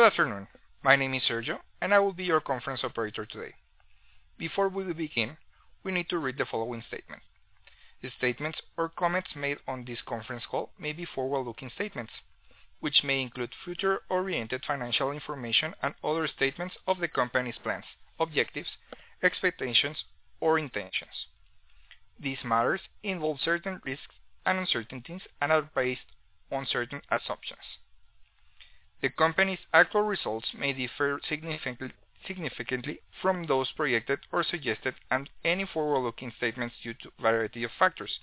Good afternoon. My name is Sergio, and I will be your conference operator today. Before we begin, we need to read the following statement. The statements or comments made on this conference call may be forward-looking statements, which may include future-oriented financial information and other statements of the company's plans, objectives, expectations, or intentions. These matters involve certain risks and uncertainties and are based on certain assumptions. The company's actual results may differ significantly from those projected or suggested and any forward-looking statements due to variety of factors.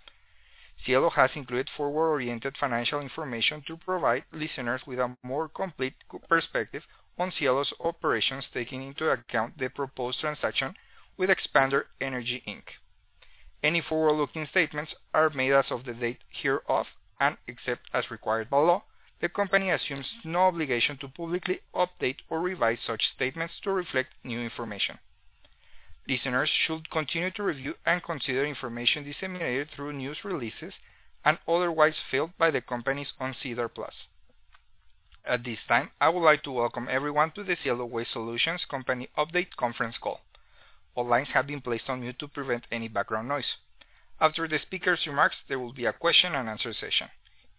Cielo has included forward-oriented financial information to provide listeners with a more complete perspective on Cielo's operations, taking into account the proposed transaction with Expander Energy Inc. Any forward-looking statements are made as of the date hereof, and except as required by law, the company assumes no obligation to publicly update or revise such statements to reflect new information. Listeners should continue to review and consider information disseminated through news releases and otherwise filed by the companies on SEDAR+. At this time, I would like to welcome everyone to the Cielo Waste Solutions company update conference call. All lines have been placed on mute to prevent any background noise. After the speaker's remarks, there will be a question-and-answer session.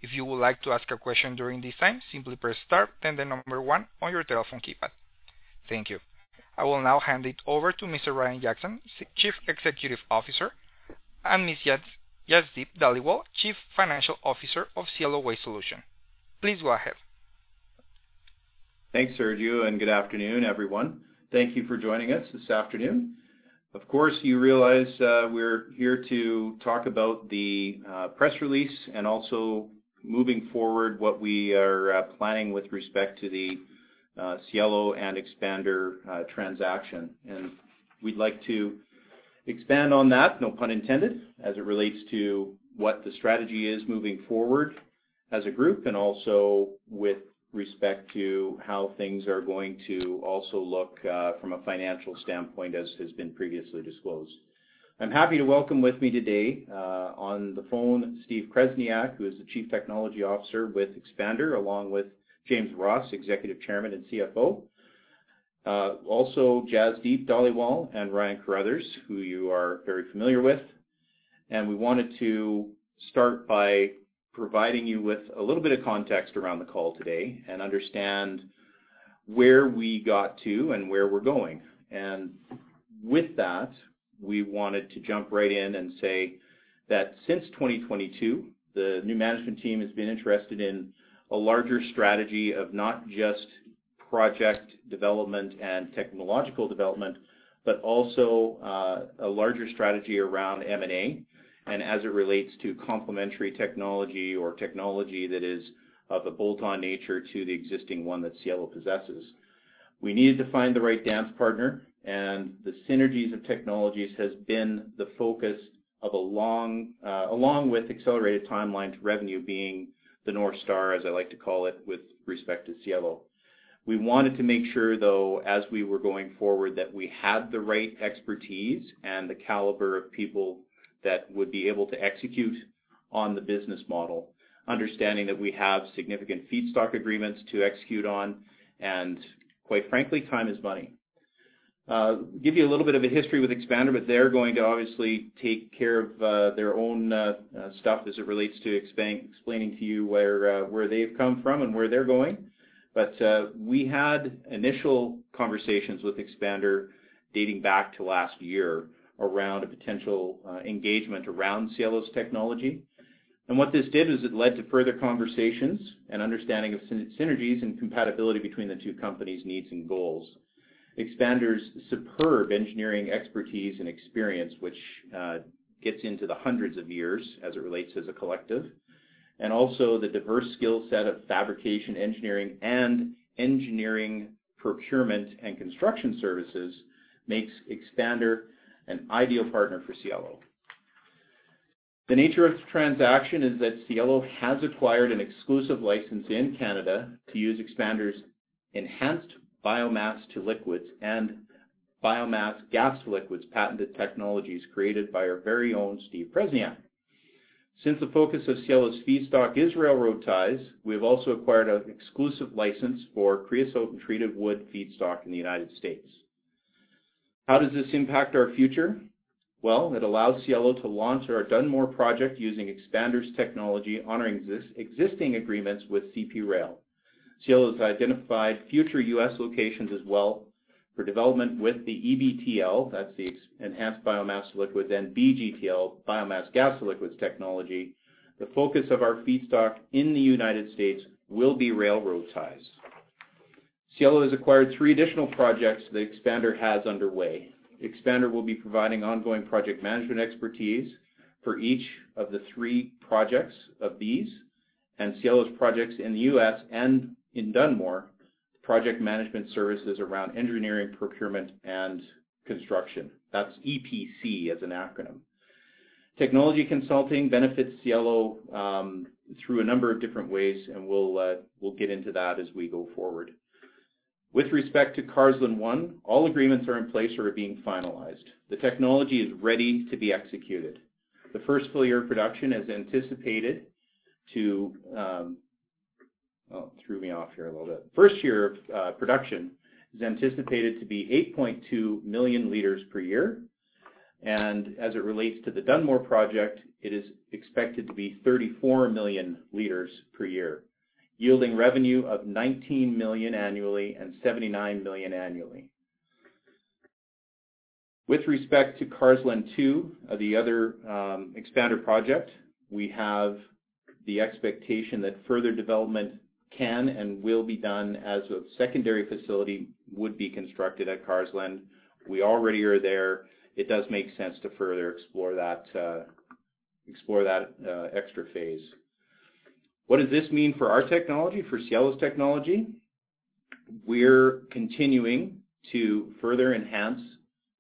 If you would like to ask a question during this time, simply press star, then the number one on your telephone keypad. Thank you. I will now hand it over to Mr. Ryan Jackson, Chief Executive Officer, and Ms. Jasdeep Dhaliwal, Chief Financial Officer of Cielo Waste Solutions. Please go ahead. Thanks, Sergio, and good afternoon, everyone. Thank you for joining us this afternoon. Of course, you realize, we're here to talk about the press release and also moving forward, what we are planning with respect to the Cielo and Expander transaction. And we'd like to expand on that, no pun intended, as it relates to what the strategy is moving forward as a group and also with respect to how things are going to also look from a financial standpoint, as has been previously disclosed. I'm happy to welcome with me today on the phone, Steve Kresnyak, who is the Chief Technical Officer with Expander, along with James Ross, Executive Chairman and CFO. Also Jasdeep Dhaliwal and Ryan Carruthers, who you are very familiar with. And we wanted to start by providing you with a little bit of context around the call today and understand where we got to and where we're going. And with that, we wanted to jump right in and say that since 2022, the new management team has been interested in a larger strategy of not just project development and technological development, but also a larger strategy around M&A, and as it relates to complementary technology or technology that is of a bolt-on nature to the existing one that Cielo possesses. We needed to find the right dance partner, and the synergies of technologies has been the focus, along with accelerated timeline to revenue being the North Star, as I like to call it, with respect to Cielo. We wanted to make sure, though, as we were going forward, that we had the right expertise and the caliber of people that would be able to execute on the business model, understanding that we have significant feedstock agreements to execute on, and quite frankly, time is money. Give you a little bit of a history with Expander, but they're going to obviously take care of their own stuff as it relates to explaining to you where they've come from and where they're going. But we had initial conversations with Expander dating back to last year around a potential engagement around Cielo's technology. And what this did is it led to further conversations and understanding of synergies and compatibility between the two companies' needs and goals. Expander's superb engineering expertise and experience, which gets into the hundreds of years as it relates as a collective, and also the diverse skill set of fabrication, engineering and engineering procurement and construction services, makes Expander an ideal partner for Cielo. The nature of the transaction is that Cielo has acquired an exclusive license in Canada to use Expander's enhanced biomass to liquids and biomass gas to liquids patented technologies created by our very own Steve Kresnyak. Since the focus of Cielo's feedstock is railroad ties, we've also acquired an exclusive license for creosote and treated wood feedstock in the United States. How does this impact our future? Well, it allows Cielo to launch our Dunmore project using Expander's technology, honoring existing agreements with CP Rail. Cielo has identified future U.S. locations as well for development with the EBTL, that's the Enhanced Biomass to Liquid, and BGTL, Biomass Gas to Liquids technology. The focus of our feedstock in the United States will be railroad ties. Cielo has acquired three additional projects that Expander has underway. Expander will be providing ongoing project management expertise for each of the three projects of these, and Cielo's projects in the U.S. and in Dunmore, project management services around engineering, procurement, and construction. That's EPC as an acronym. Technology consulting benefits Cielo through a number of different ways, and we'll get into that as we go forward. With respect to Carseland One, all agreements are in place or are being finalized. The technology is ready to be executed. The first full year of production is anticipated to. First year of production is anticipated to be 8.2 million liters per year, and as it relates to the Dunmore project, it is expected to be 34 million liters per year, yielding revenue of 19 million annually and 79 million annually. With respect to Carseland Two, the other Expander project, we have the expectation that further development can and will be done as a secondary facility would be constructed at Carseland. We already are there. It does make sense to further explore that extra phase. What does this mean for our technology, for Cielo's technology? We're continuing to further enhance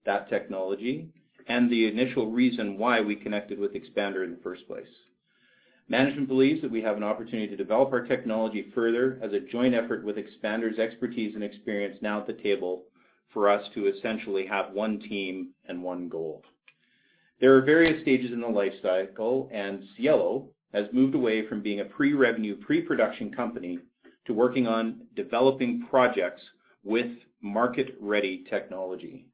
that technology and the initial reason why we connected with Expander in the first place. Management believes that we have an opportunity to develop our technology further as a joint effort with Expander's expertise and experience now at the table, for us to essentially have one team and one goal. There are various stages in the life cycle, and Cielo has moved away from being a pre-revenue, pre-production company to working on developing projects with market-ready technology.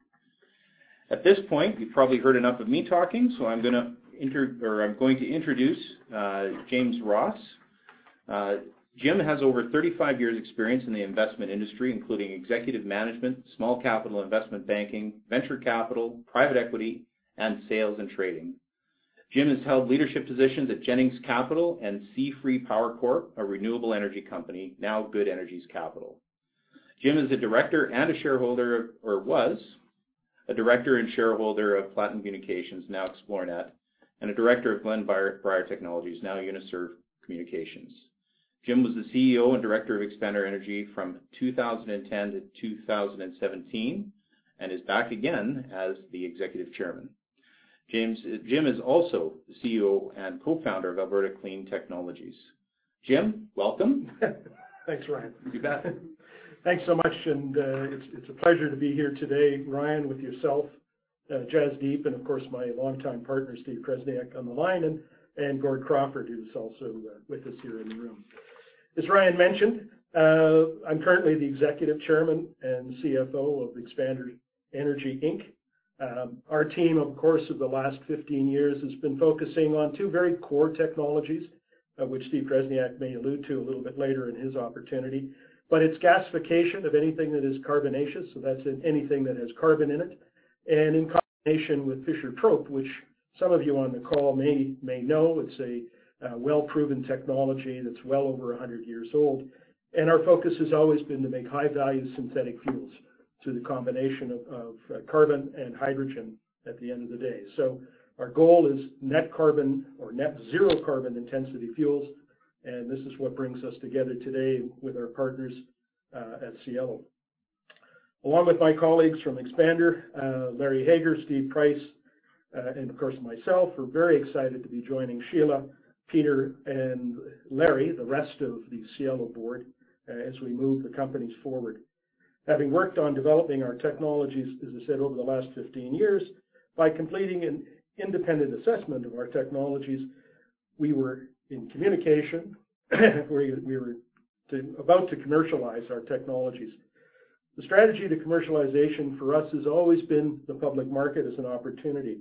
At this point, you've probably heard enough of me talking, so I'm going to introduce James Ross. Jim has over 35 years experience in the investment industry, including executive management, small capital investment banking, venture capital, private equity, and sales and trading. Jim has held leadership positions at Jennings Capital and Sea Breeze Power Corp, a renewable energy company, now Good Energy Capital. Jim is a Director and a Shareholder, or was a Director and Shareholder of Platinum Communications, now Xplornet, and a Director of Glenbriar Technologies, now Uniserve Communications. Jim was the CEO and Director of Expander Energy from 2010-2017, and is back again as the Executive Chairman. James- Jim is also the CEO and Co-Founder of Alberta Clean Technologies. Jim, welcome. Thanks, Ryan. You bet. Thanks so much, and it's a pleasure to be here today, Ryan, with yourself, Jasdeep, and of course, my longtime partner, Steve Kresnyak, on the line, and Gord Crawford, who's also with us here in the room. As Ryan mentioned, I'm currently the Executive Chairman and CFO of Expander Energy Inc. Our team, of course, over the last 15 years, has been focusing on two very core technologies, which Steve Kresnyak may allude to a little bit later in his opportunity, but it's gasification of anything that is carbonaceous, so that's in anything that has carbon in it, and in combination with Fischer-Tropsch, which some of you on the call may know, it's a well-proven technology that's well over 100 years old. Our focus has always been to make high-value synthetic fuels through the combination of carbon and hydrogen at the end of the day. So our goal is net carbon or net zero carbon intensity fuels, and this is what brings us together today with our partners at Cielo. Along with my colleagues from Expander, Larry Haggar, Steve Price, and of course, myself, we're very excited to be joining Sheila, Peter, and Larry, the rest of the Cielo board, as we move the companies forward. Having worked on developing our technologies, as I said, over the last 15 years, by completing an independent assessment of our technologies, we were in communication; we were about to commercialize our technologies. The strategy to commercialization for us has always been the public market as an opportunity.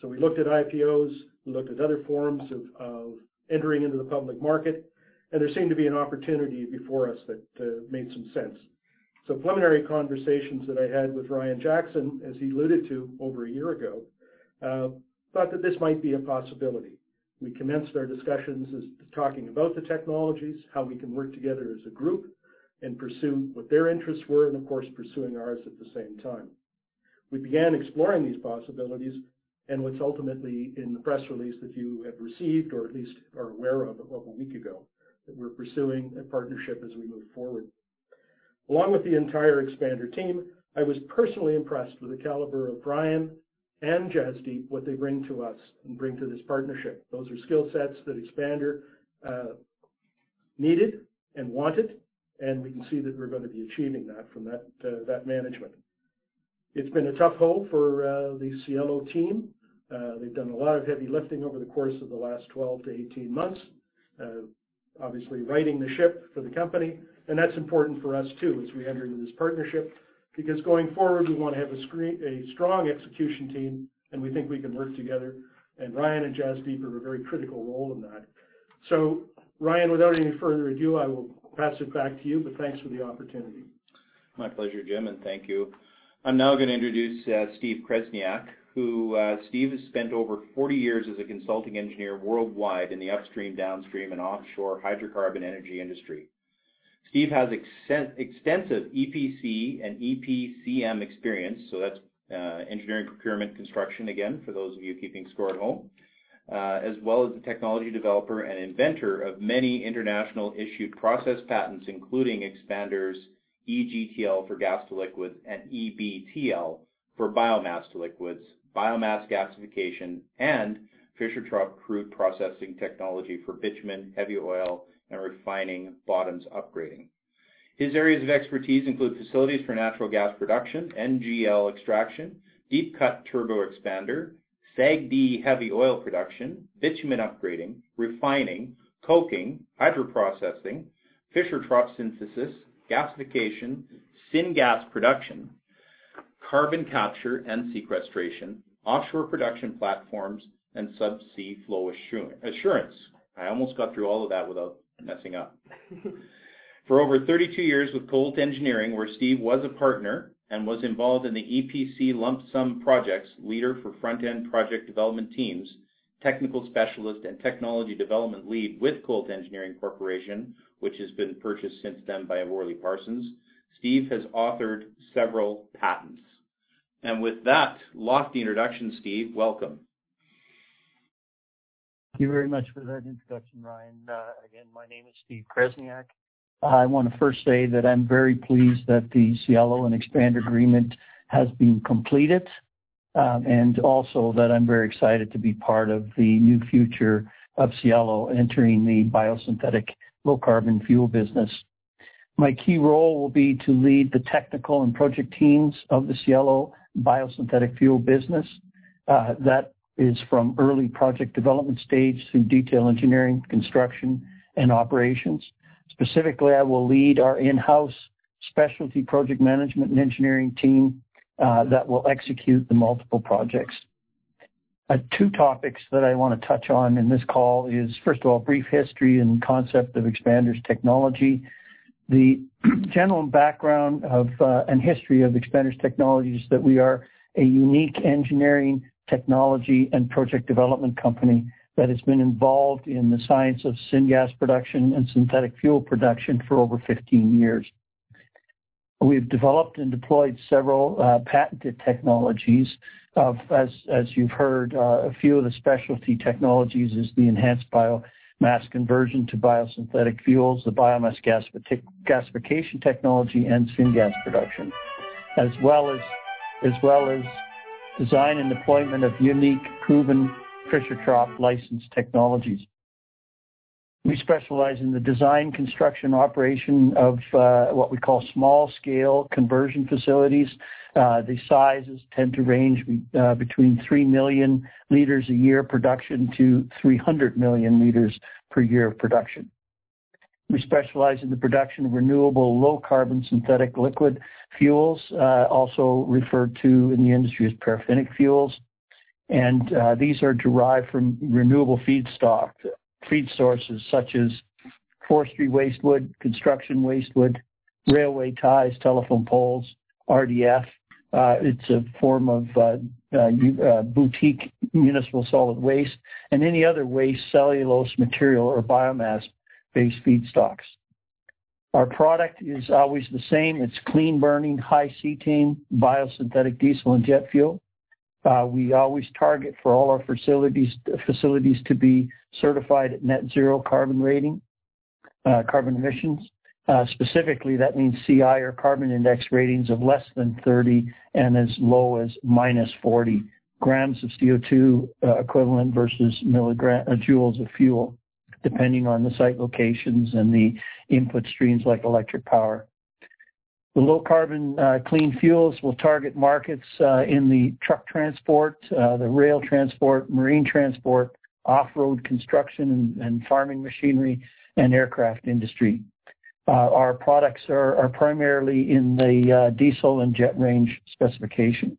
So we looked at IPOs, we looked at other forms of, of entering into the public market, and there seemed to be an opportunity before us that made some sense. So preliminary conversations that I had with Ryan Jackson, as he alluded to over a year ago, thought that this might be a possibility. We commenced our discussions as talking about the technologies, how we can work together as a group and pursue what their interests were, and of course, pursuing ours at the same time. We began exploring these possibilities and what's ultimately in the press release that you have received, or at least are aware of, over a week ago, that we're pursuing a partnership as we move forward. Along with the entire Expander team, I was personally impressed with the caliber of Ryan and Jasdeep, what they bring to us and bring to this partnership. Those are skill sets that Expander needed and wanted, and we can see that we're going to be achieving that from that that management. It's been a tough haul for the Cielo team. They've done a lot of heavy lifting over the course of the last 12-18 months, obviously, righting the ship for the company, and that's important for us, too, as we enter into this partnership, because going forward, we want to have a strong execution team, and we think we can work together, and Ryan and Jasdeep have a very critical role in that. So Ryan, without any further ado, I will pass it back to you, but thanks for the opportunity. My pleasure, Jim, and thank you. I'm now going to introduce Steve Kresnyak, who Steve has spent over 40 years as a consulting engineer worldwide in the upstream, downstream, and offshore hydrocarbon energy industry. Steve has extensive EPC and EPCM experience, so that's engineering, procurement, construction, again, for those of you keeping score at home, as well as a technology developer and inventor of many internationally issued process patents, including Expander's EGTL for gas to liquids and EBTL for biomass to liquids, biomass gasification, and Fischer-Tropsch crude processing technology for bitumen, heavy oil, and refining bottoms upgrading. His areas of expertise include facilities for natural gas production, NGL extraction, deep cut turbo Expander, SAGD heavy oil production, bitumen upgrading, refining, coking, hydroprocessing, Fischer-Tropsch synthesis, gasification, syngas production, carbon capture and sequestration, offshore production platforms, and subsea flow assurance. I almost got through all of that without messing up. For over 32 years with Colt Engineering, where Steve was a partner and was involved in the EPC lump sum projects, leader for front-end project development teams, technical specialist, and technology development lead with Colt Engineering Corporation, which has been purchased since then by WorleyParsons. Steve has authored several patents. With that lofty introduction, Steve, welcome. Thank you very much for that introduction, Ryan. Again, my name is Steve Kresnyak. I want to first say that I'm very pleased that the Cielo and Expander agreement has been completed, and also that I'm very excited to be part of the new future of Cielo entering the biosynthetic low carbon fuel business. My key role will be to lead the technical and project teams of the Cielo Biosynthetic Fuel business. That is from early project development stage through detail engineering, construction, and operations. Specifically, I will lead our in-house specialty project management and engineering team, that will execute the multiple projects. Two topics that I want to touch on in this call is, first of all, a brief history and concept of Expander's Technology. The general background of and history of Expander Technologies is that we are a unique engineering, technology, and project development company that has been involved in the science of syngas production and synthetic fuel production for over 15 years. We've developed and deployed several patented technologies. Of, as, as you've heard, a few of the specialty technologies is the enhanced biomass conversion to biosynthetic fuels, the biomass gas, gasification technology, and syngas production, as well as, as well as design and deployment of unique, proven Fischer-Tropsch licensed technologies. We specialize in the design, construction, operation of what we call small-scale conversion facilities. The sizes tend to range be between 3 million liters a year production to 300 million liters per year of production. We specialize in the production of renewable, low-carbon synthetic liquid fuels, also referred to in the industry as paraffinic fuels. And, these are derived from renewable feedstock, feed sources such as forestry waste wood, construction waste wood, railway ties, telephone poles, RDF. It's a form of, boutique municipal solid waste and any other waste cellulose material or biomass-based feedstocks. Our product is always the same. It's clean burning, high cetane, biosynthetic diesel and jet fuel. We always target for all our facilities to be certified at net zero carbon rating, carbon emissions. Specifically, that means CI or carbon index ratings of less than 30 and as low as -40 grams of CO2 equivalent versus megajoules of fuel, depending on the site locations and the input streams like electric power. The low carbon clean fuels will target markets in the truck transport the rail transport, marine transport, off-road construction and farming machinery, and aircraft industry. Our products are primarily in the diesel and jet range specification.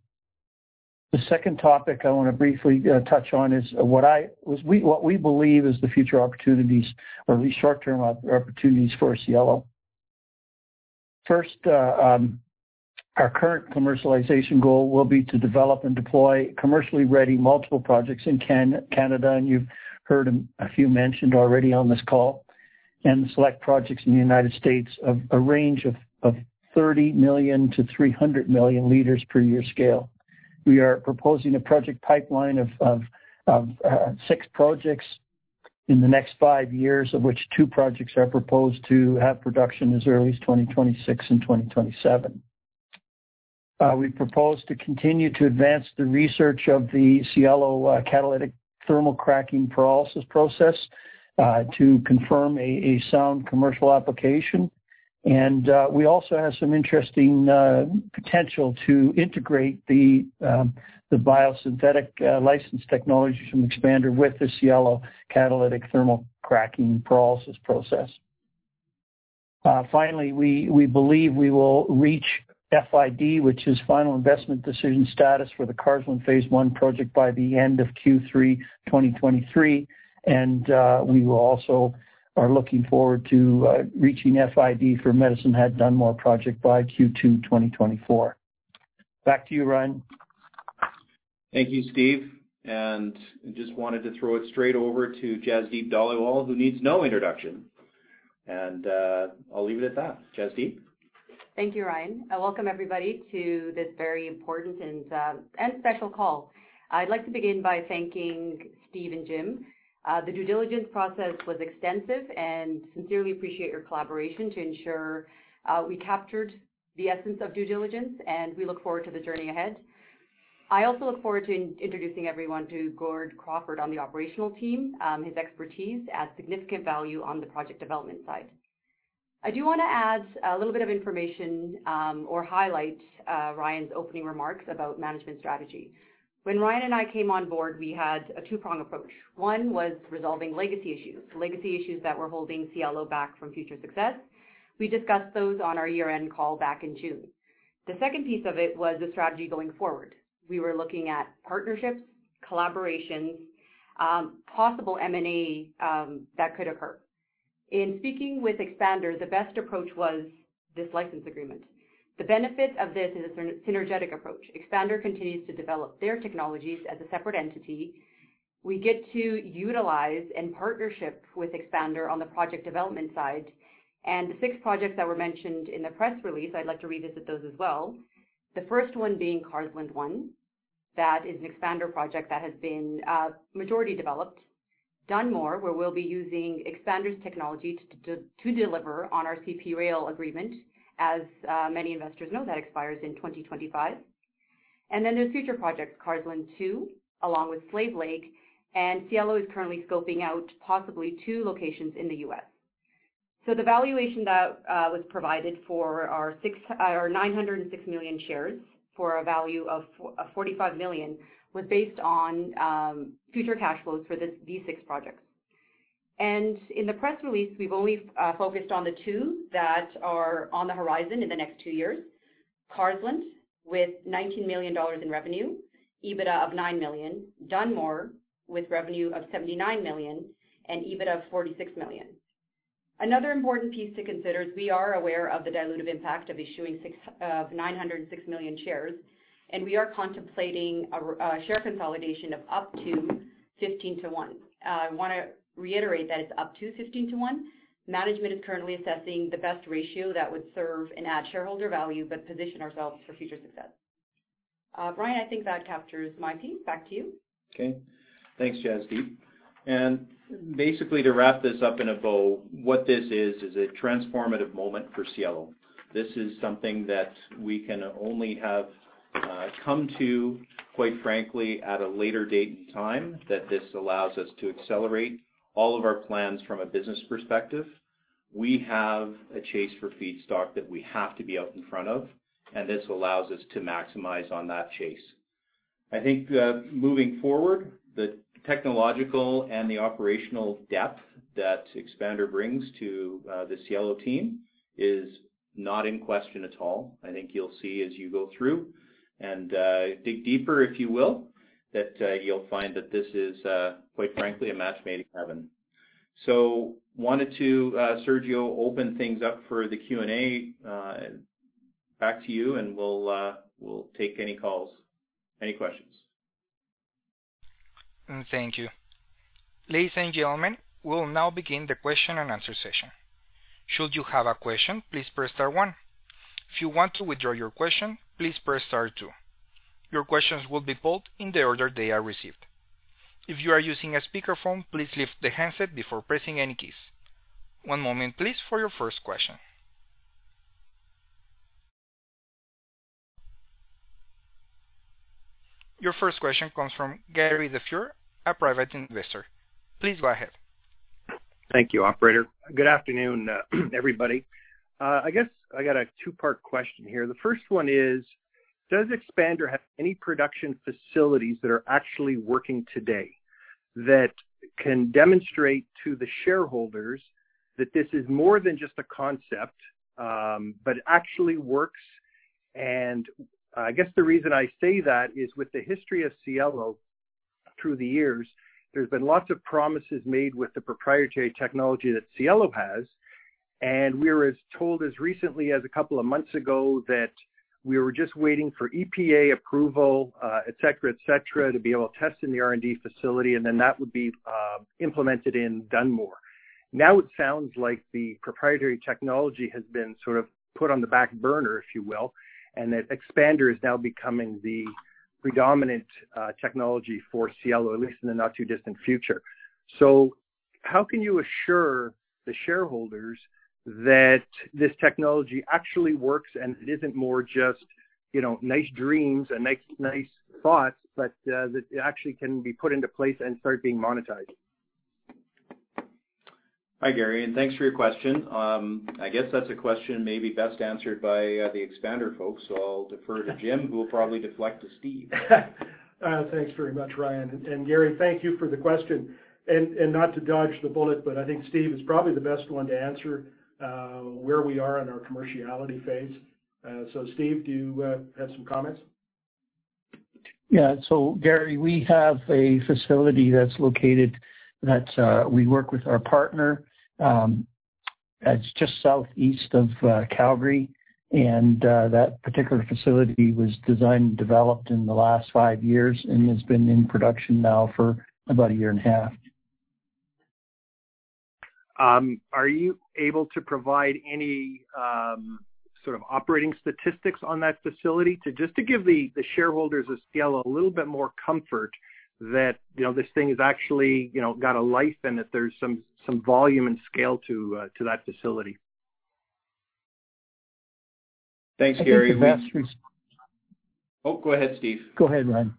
The second topic I want to briefly touch on is what we believe is the future opportunities or restructuring opportunities for Cielo. First, our current commercialization goal will be to develop and deploy commercially ready multiple projects in Canada, and you've heard a few mentioned already on this call, and select projects in the United States of a range of 30 million to 300 million liters per year scale. We are proposing a project pipeline of six projects in the next five years, of which two projects are proposed to have production as early as 2026 and 2027. We propose to continue to advance the research of the Cielo catalytic thermal cracking pyrolysis process to confirm a sound commercial application. And we also have some interesting potential to integrate the biosynthetic licensed technology from Expander with the Cielo catalytic thermal cracking pyrolysis process. Finally, we believe we will reach FID, which is final investment decision status, for the Carseland Phase One project by the end of Q3 2023, and we will also are looking forward to reaching FID for Medicine Hat-Dunmore project by Q2 2024. Back to you, Ryan. Thank you, Steve. And just wanted to throw it straight over to Jasdeep Dhaliwal, who needs no introduction. And, I'll leave it at that. Jasdeep? Thank you, Ryan, and welcome, everybody, to this very important and, and special call. I'd like to begin by thanking Steve and Jim. The due diligence process was extensive, and sincerely appreciate your collaboration to ensure we captured the essence of due diligence, and we look forward to the journey ahead. I also look forward to introducing everyone to Gord Crawford on the operational team. His expertise adds significant value on the project development side. I do want to add a little bit of information, or highlight, Ryan's opening remarks about management strategy. When Ryan and I came on board, we had a two-prong approach. One was resolving legacy issues, legacy issues that were holding Cielo back from future success. We discussed those on our year-end call back in June. The second piece of it was the strategy going forward. We were looking at partnerships, collaborations, possible M&A that could occur. In speaking with Expander, the best approach was this license agreement. The benefit of this is a synergetic approach. Expander continues to develop their technologies as a separate entity. We get to utilize and partnership with Expander on the project development side. And the six projects that were mentioned in the press release, I'd like to revisit those as well. The first one being Carseland One. That is an Expander project that has been majority developed. Dunmore, where we'll be using Expander's technology to deliver on our CP Rail agreement. As many investors know, that expires in 2025. And then there's future projects, Carseland Two, along with Slave Lake, and Cielo is currently scoping out possibly two locations in the US. So the valuation that was provided for our 906 million shares for a value of 45 million was based on future cash flows for this these six projects. In the press release, we've only focused on the two that are on the horizon in the next two years. Carseland, with 19 million dollars in revenue, EBITDA of 9 million; Dunmore, with revenue of 79 million and EBITDA of 46 million. Another important piece to consider is we are aware of the dilutive impact of issuing 906 million shares, and we are contemplating a share consolidation of up to 15:1. I want to reiterate that it's up to 15:1. Management is currently assessing the best ratio that would serve and add shareholder value, but position ourselves for future success. Ryan, I think that captures my piece. Back to you. Okay. Thanks, Jasdeep. And basically, to wrap this up in a bow, what this is, is a transformative moment for Cielo. This is something that we can only have come to, quite frankly, at a later date and time, that this allows us to accelerate all of our plans from a business perspective. We have a chase for feedstock that we have to be out in front of, and this allows us to maximize on that chase. I think, moving forward, the technological and the operational depth that Expander brings to the Cielo team is not in question at all. I think you'll see as you go through and dig deeper, if you will, that you'll find that this is, quite frankly, a match made in heaven. So wanted to, Sergio, open things up for the Q&A. Back to you, and we'll, we'll take any calls, any questions. Thank you. Ladies and gentlemen, we'll now begin the question-and-answer session. Should you have a question, please press star one. If you want to withdraw your question, please press star two. Your questions will be pulled in the order they are received. If you are using a speakerphone, please lift the handset before pressing any keys. One moment, please, for your first question. Your first question comes from Gary LaFleur, a private investor. Please go ahead. Thank you, operator. Good afternoon, everybody. I guess I got a two-part question here. The first one is, does Expander have any production facilities that are actually working today that can demonstrate to the shareholders that this is more than just a concept, but actually works? And I guess the reason I say that is with the history of Cielo through the years, there's been lots of promises made with the proprietary technology that Cielo has, and we were as told as recently as a couple of months ago, that we were just waiting for EPA approval, et cetera, et cetera, to be able to test in the R&D facility, and then that would be, implemented in Dunmore. Now it sounds like the proprietary technology has been sort of put on the back burner, if you will, and that Expander is now becoming the predominant technology for Cielo, at least in the not-too-distant future. So how can you assure the shareholders that this technology actually works and it isn't more just, you know, nice dreams and nice, nice thoughts, but that it actually can be put into place and start being monetized? Hi, Gary, and thanks for your question. I guess that's a question maybe best answered by the Expander folks, so I'll defer to Jim, who will probably deflect to Steve. Thanks very much, Ryan. And, Gary, thank you for the question. And not to dodge the bullet, but I think Steve is probably the best one to answer where we are in our commerciality phase. So Steve, do you have some comments? Yeah. So Gary, we have a facility that's located that we work with our partner, it's just southeast of Calgary, and that particular facility was designed and developed in the last 5 years and has been in production now for about a year and a half. Are you able to provide any sort of operating statistics on that facility to just give the shareholders of Cielo a little bit more comfort that, you know, this thing has actually, you know, got a life and that there's some volume and scale to that facility? Thanks, Gary. Go ahead, Ryan.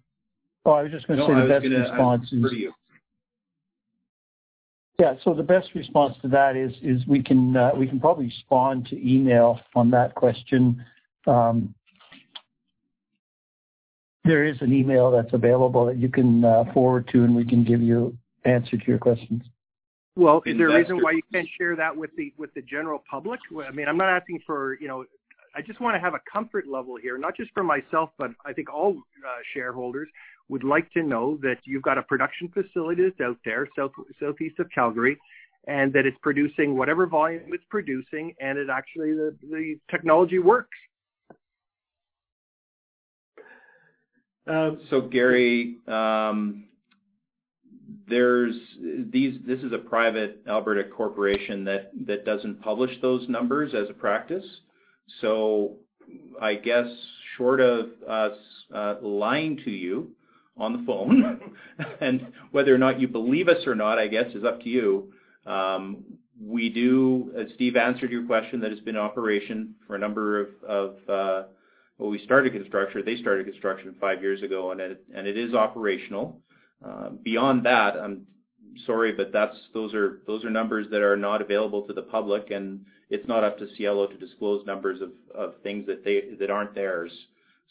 Yeah. So the best response to that is, we can probably respond to email on that question. There is an email that's available that you can forward to, and we can give you answer to your questions. Well, is there a reason why you can't share that with the general public? Well, I mean, I'm not asking for, you know, I just wanna have a comfort level here, not just for myself, but I think all shareholders would like to know that you've got a production facility that's out there, southeast of Calgary, and that it's producing whatever volume it's producing, and it actually, the technology works. Gary, there's this is a private Alberta corporation that doesn't publish those numbers as a practice. So I guess short of us lying to you on the phone, and whether or not you believe us or not, I guess is up to you. As Steve answered your question, that it's been in operation for a number of, well, we started construction, they started construction five years ago, and it is operational. Beyond that, I'm sorry, but those are numbers that are not available to the public, and it's not up to Cielo to disclose numbers of things aren't theirs.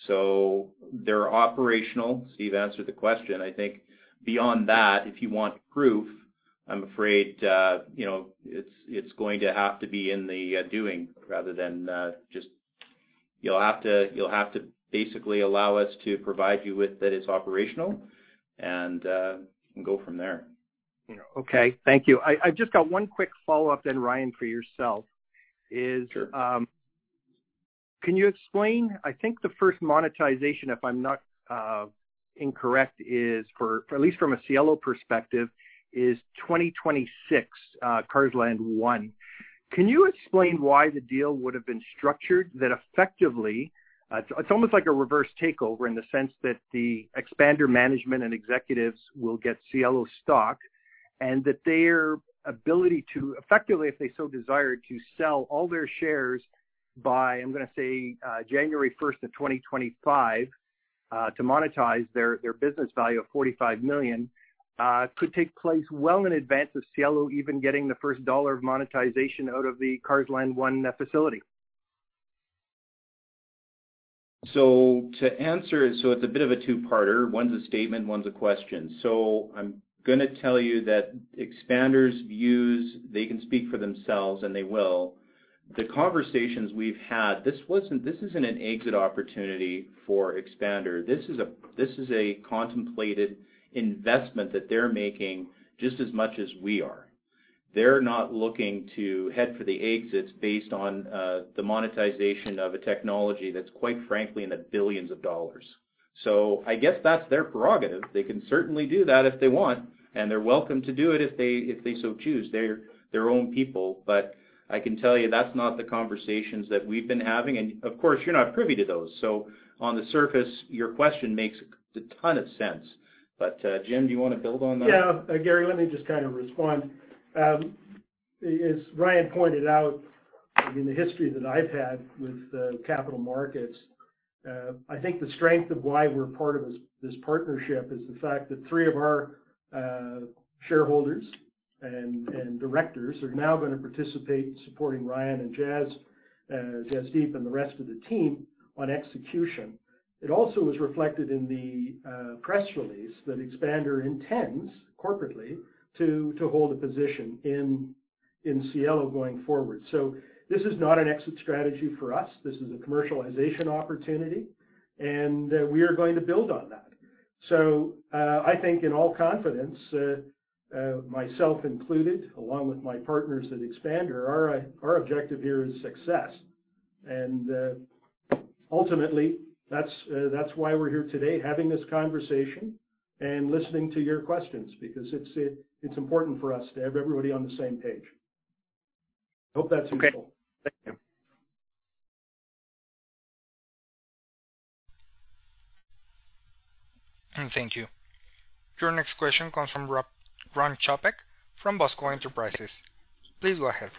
So they're operational. Steve answered the question. I think beyond that, if you want proof, I'm afraid you'll have to basically allow us to provide you with that it's operational, and go from there. Okay. Thank you. I've just got one quick follow-up then, Ryan, for yourself. I think the first monetization, if I'm not incorrect, is for, at least from a Cielo perspective, is 2026, Carseland One. Can you explain why the deal would have been structured that effectively, it's almost like a reverse takeover in the sense that the Expander management and executives will get Cielo stock, and that their ability to effectively, if they so desire, to sell all their shares by, I'm gonna say, January first of 2025, to monetize their, their business value of 45 million, could take place well in advance of Cielo even getting the first dollar of monetization out of the Carseland One, facility? So to answer, so it's a bit of a two-parter. One's a statement, one's a question. So I'm gonna tell you that Expander's views, they can speak for themselves, and they will. The conversations we've had, this wasn't, this isn't an exit opportunity for Expander. This is a, this is a contemplated investment that they're making just as much as we are. They're not looking to head for the exits based on the monetization of a technology that's quite frankly, in the billions of dollars. So I guess that's their prerogative. They can certainly do that if they want, and they're welcome to do it if they, if they so choose. They're their own people, but I can tell you that's not the conversations that we've been having. And of course, you're not privy to those. So on the surface, your question makes a ton of sense. But, Jim, do you want to build on that? Gary, let me just respond. As Ryan pointed out, the history that I've had with the capital markets, I think the strength of why we're part of this, this partnership is the fact that three of our, shareholders and, and directors are now going to participate in supporting Ryan and Jas, Jasdeep and the rest of the team on execution. It also is reflected in the, press release that Expander intends corporately to, to hold a position in Cielo going forward. So this is not an exit strategy for us. This is a commercialization opportunity, and, we are going to build on that. So, I think in all confidence, myself included, along with my partners at Expander, our objective here is success. Ultimately, that's why we're here today, having this conversation and listening to your questions, because it's important for us to have everybody on the same page. Hope that's helpful. Okay. Thank you. Thank you. Your next question comes from Ron Chapek, from Bosco Enterprises. Please go ahead.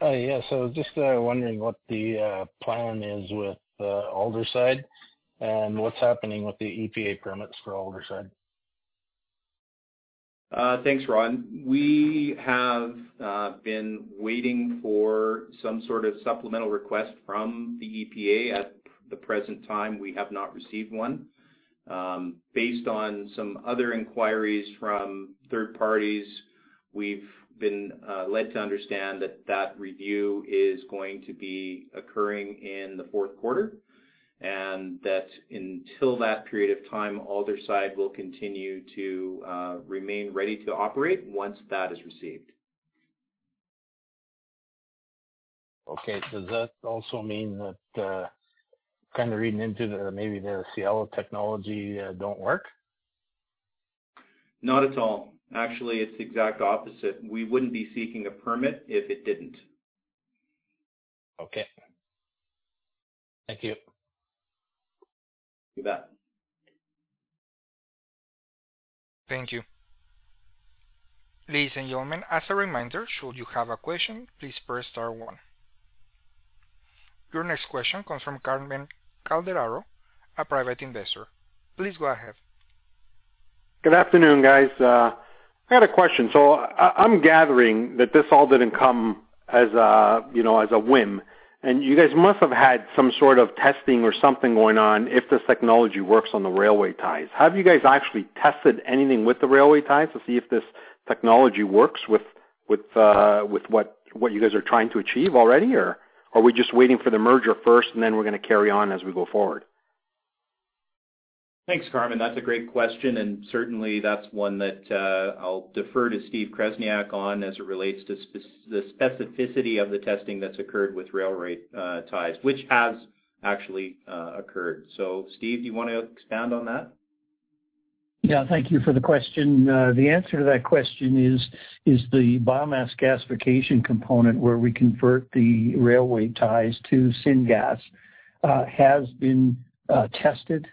Yeah. Just wondering what the plan is with Aldersyde and what's happening with the EPA permits for Aldersyde. Thanks, Ron. We have been waiting for some sort of supplemental request from the EPA. At the present time, we have not received one. Based on some other inquiries from third parties, we've been led to understand that that review is going to be occurring in the fourth quarter, and that until that period of time, Aldersyde will continue to remain ready to operate once that is received. Okay. Does that also mean that, kind of reading into the, maybe the Cielo technology, don't work? Not at all. Actually, it's the exact opposite. We wouldn't be seeking a permit if it didn't. Okay. Thank you. You bet. Thank you. Ladies and gentlemen, as a reminder, should you have a question, please press star one. Your next question comes from Carmen Calderaro, a private investor. Please go ahead. Good afternoon, guys. I had a question. So I, I'm gathering that this all didn't come as a, you know, as a whim, and you guys must have had some sort of testing or something going on if this technology works on the railway ties. Have you guys actually tested anything with the railway ties to see if this technology works with, with, with what, what you guys are trying to achieve already? Or are we just waiting for the merger first, and then we're gonna carry on as we go forward? Thanks, Carmen. That's a great question, and certainly, that's one that, I'll defer to Steve Kresnyak on as it relates to the specificity of the testing that's occurred with railway ties, which has actually occurred. So Steve, do you wanna expand on that? Thank you for the question. The answer to that question is the biomass gasification component, where we convert the railway ties to syngas, has been tested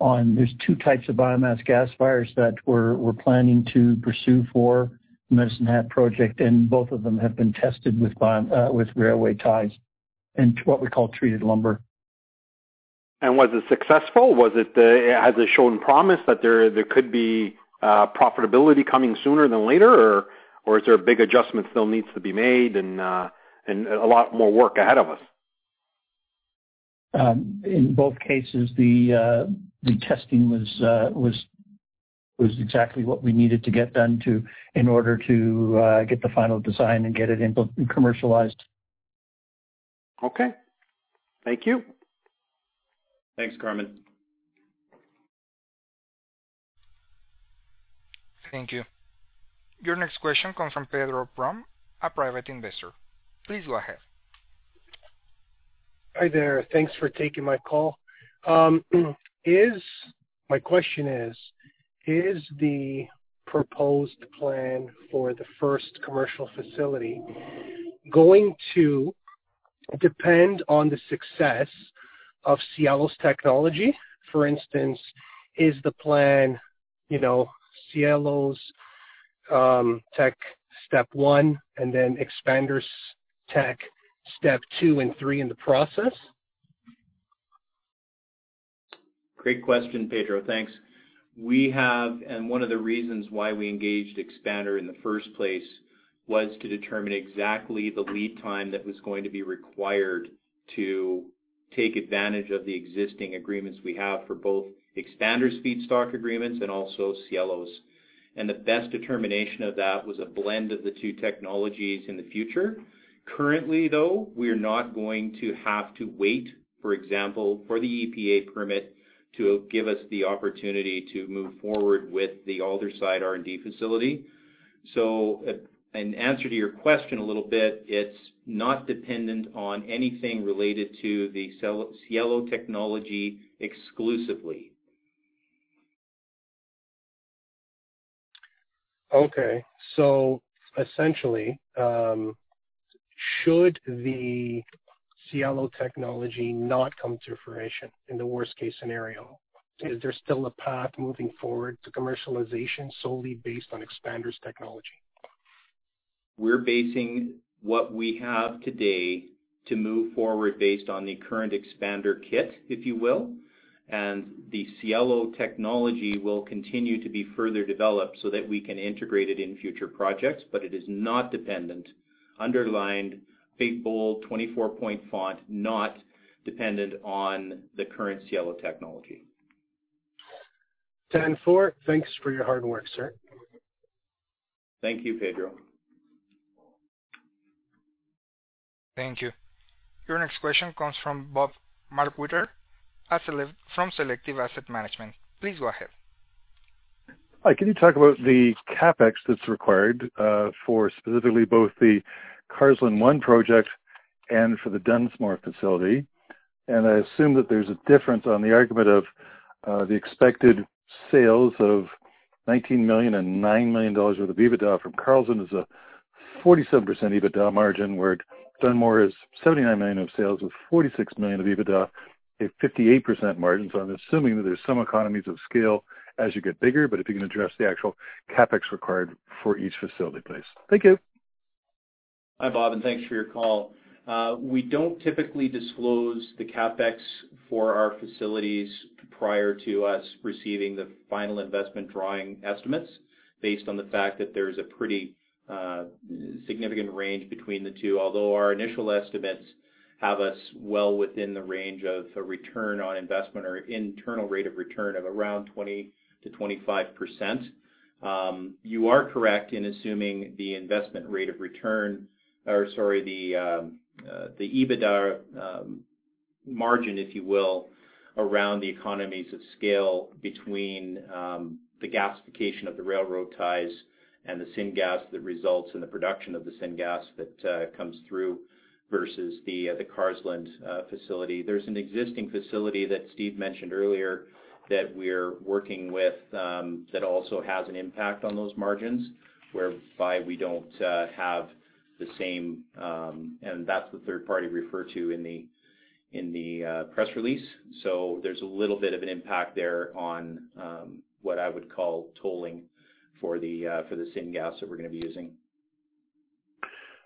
on. There's two types of biomass gasifiers that we're planning to pursue for Medicine Hat project, and both of them have been tested with railway ties and what we call treated lumber. Was it successful? Was it, has it shown promise that there, there could be profitability coming sooner than later, or, or is there a big adjustment still needs to be made and, and a lot more work ahead of us? In both cases, the testing was exactly what we needed to get done to, in order to, get the final design and get it input-commercialized. Okay. Thank you. Thanks, Carmen. Thank you. Your next question comes from Pedro Prahm, a private investor. Please go ahead. Hi there. Thanks for taking my call. My question is, is the proposed plan for the first commercial facility going to depend on the success of Cielo's technology? For instance, is the plan Cielo's tech, step one, and then Expander's tech, step two and three in the process? Great question, Pedro. Thanks. We have, and one of the reasons why we engaged Expander in the first place, was to determine exactly the lead time that was going to be required to take advantage of the existing agreements we have for both Expander's feedstock agreements and also Cielo's. The best determination of that was a blend of the two technologies in the future. Currently, though, we are not going to have to wait, for example, for the EPA permit to give us the opportunity to move forward with the Aldersyde R&D facility. So, in answer to your question a little bit, it's not dependent on anything related to the Cielo technology exclusively. Okay. So essentially, should the Cielo technology not come to fruition in the worst-case scenario, is there still a path moving forward to commercialization solely based on Expander's technology? We're basing what we have today to move forward based on the current Expander kit, if you will, and the Cielo technology will continue to be further developed so that we can integrate it in future projects, but it is not dependent, underlined, big, bold, 24-point font, not dependent on the current Cielo technology. Ten four. Thanks for your hard work, sir. Thank you, Pedro. Thank you. Your next question comes from Bob McWhirter from Selective Asset Management. Please go ahead. Hi, can you talk about the CapEx that's required for specifically both the Carseland One project and for the Dunmore facility? I assume that there's a difference on the argument of the expected sales of 19 million and 9 million dollars worth of EBITDA from Carseland is a 47% EBITDA margin, where Dunmore is 79 million of sales with 46 million of EBITDA, a 58% margin. So I'm assuming that there's some economies of scale as you get bigger, but if you can address the actual CapEx required for each facility, please. Thank you. Hi, Bob, and thanks for your call. We don't typically disclose the CapEx for our facilities prior to us receiving the final investment drawing estimates, based on the fact that there's a pretty significant range between the two. Although our initial estimates have us well within the range of a return on investment or internal rate of return of around 20%-25%. You are correct in assuming the investment rate of return or, sorry, the EBITDA margin, if you will, around the economies of scale between the gasification of the railroad ties and the syngas that results in the production of the syngas that comes through versus the Carseland facility. There's an existing facility that Steve mentioned earlier that we're working with, that also has an impact on those margins, whereby we don't have the same, and that's the third party referred to in the press release. So there's a little bit of an impact there on what I would call tolling for the syngas that we're gonna be using.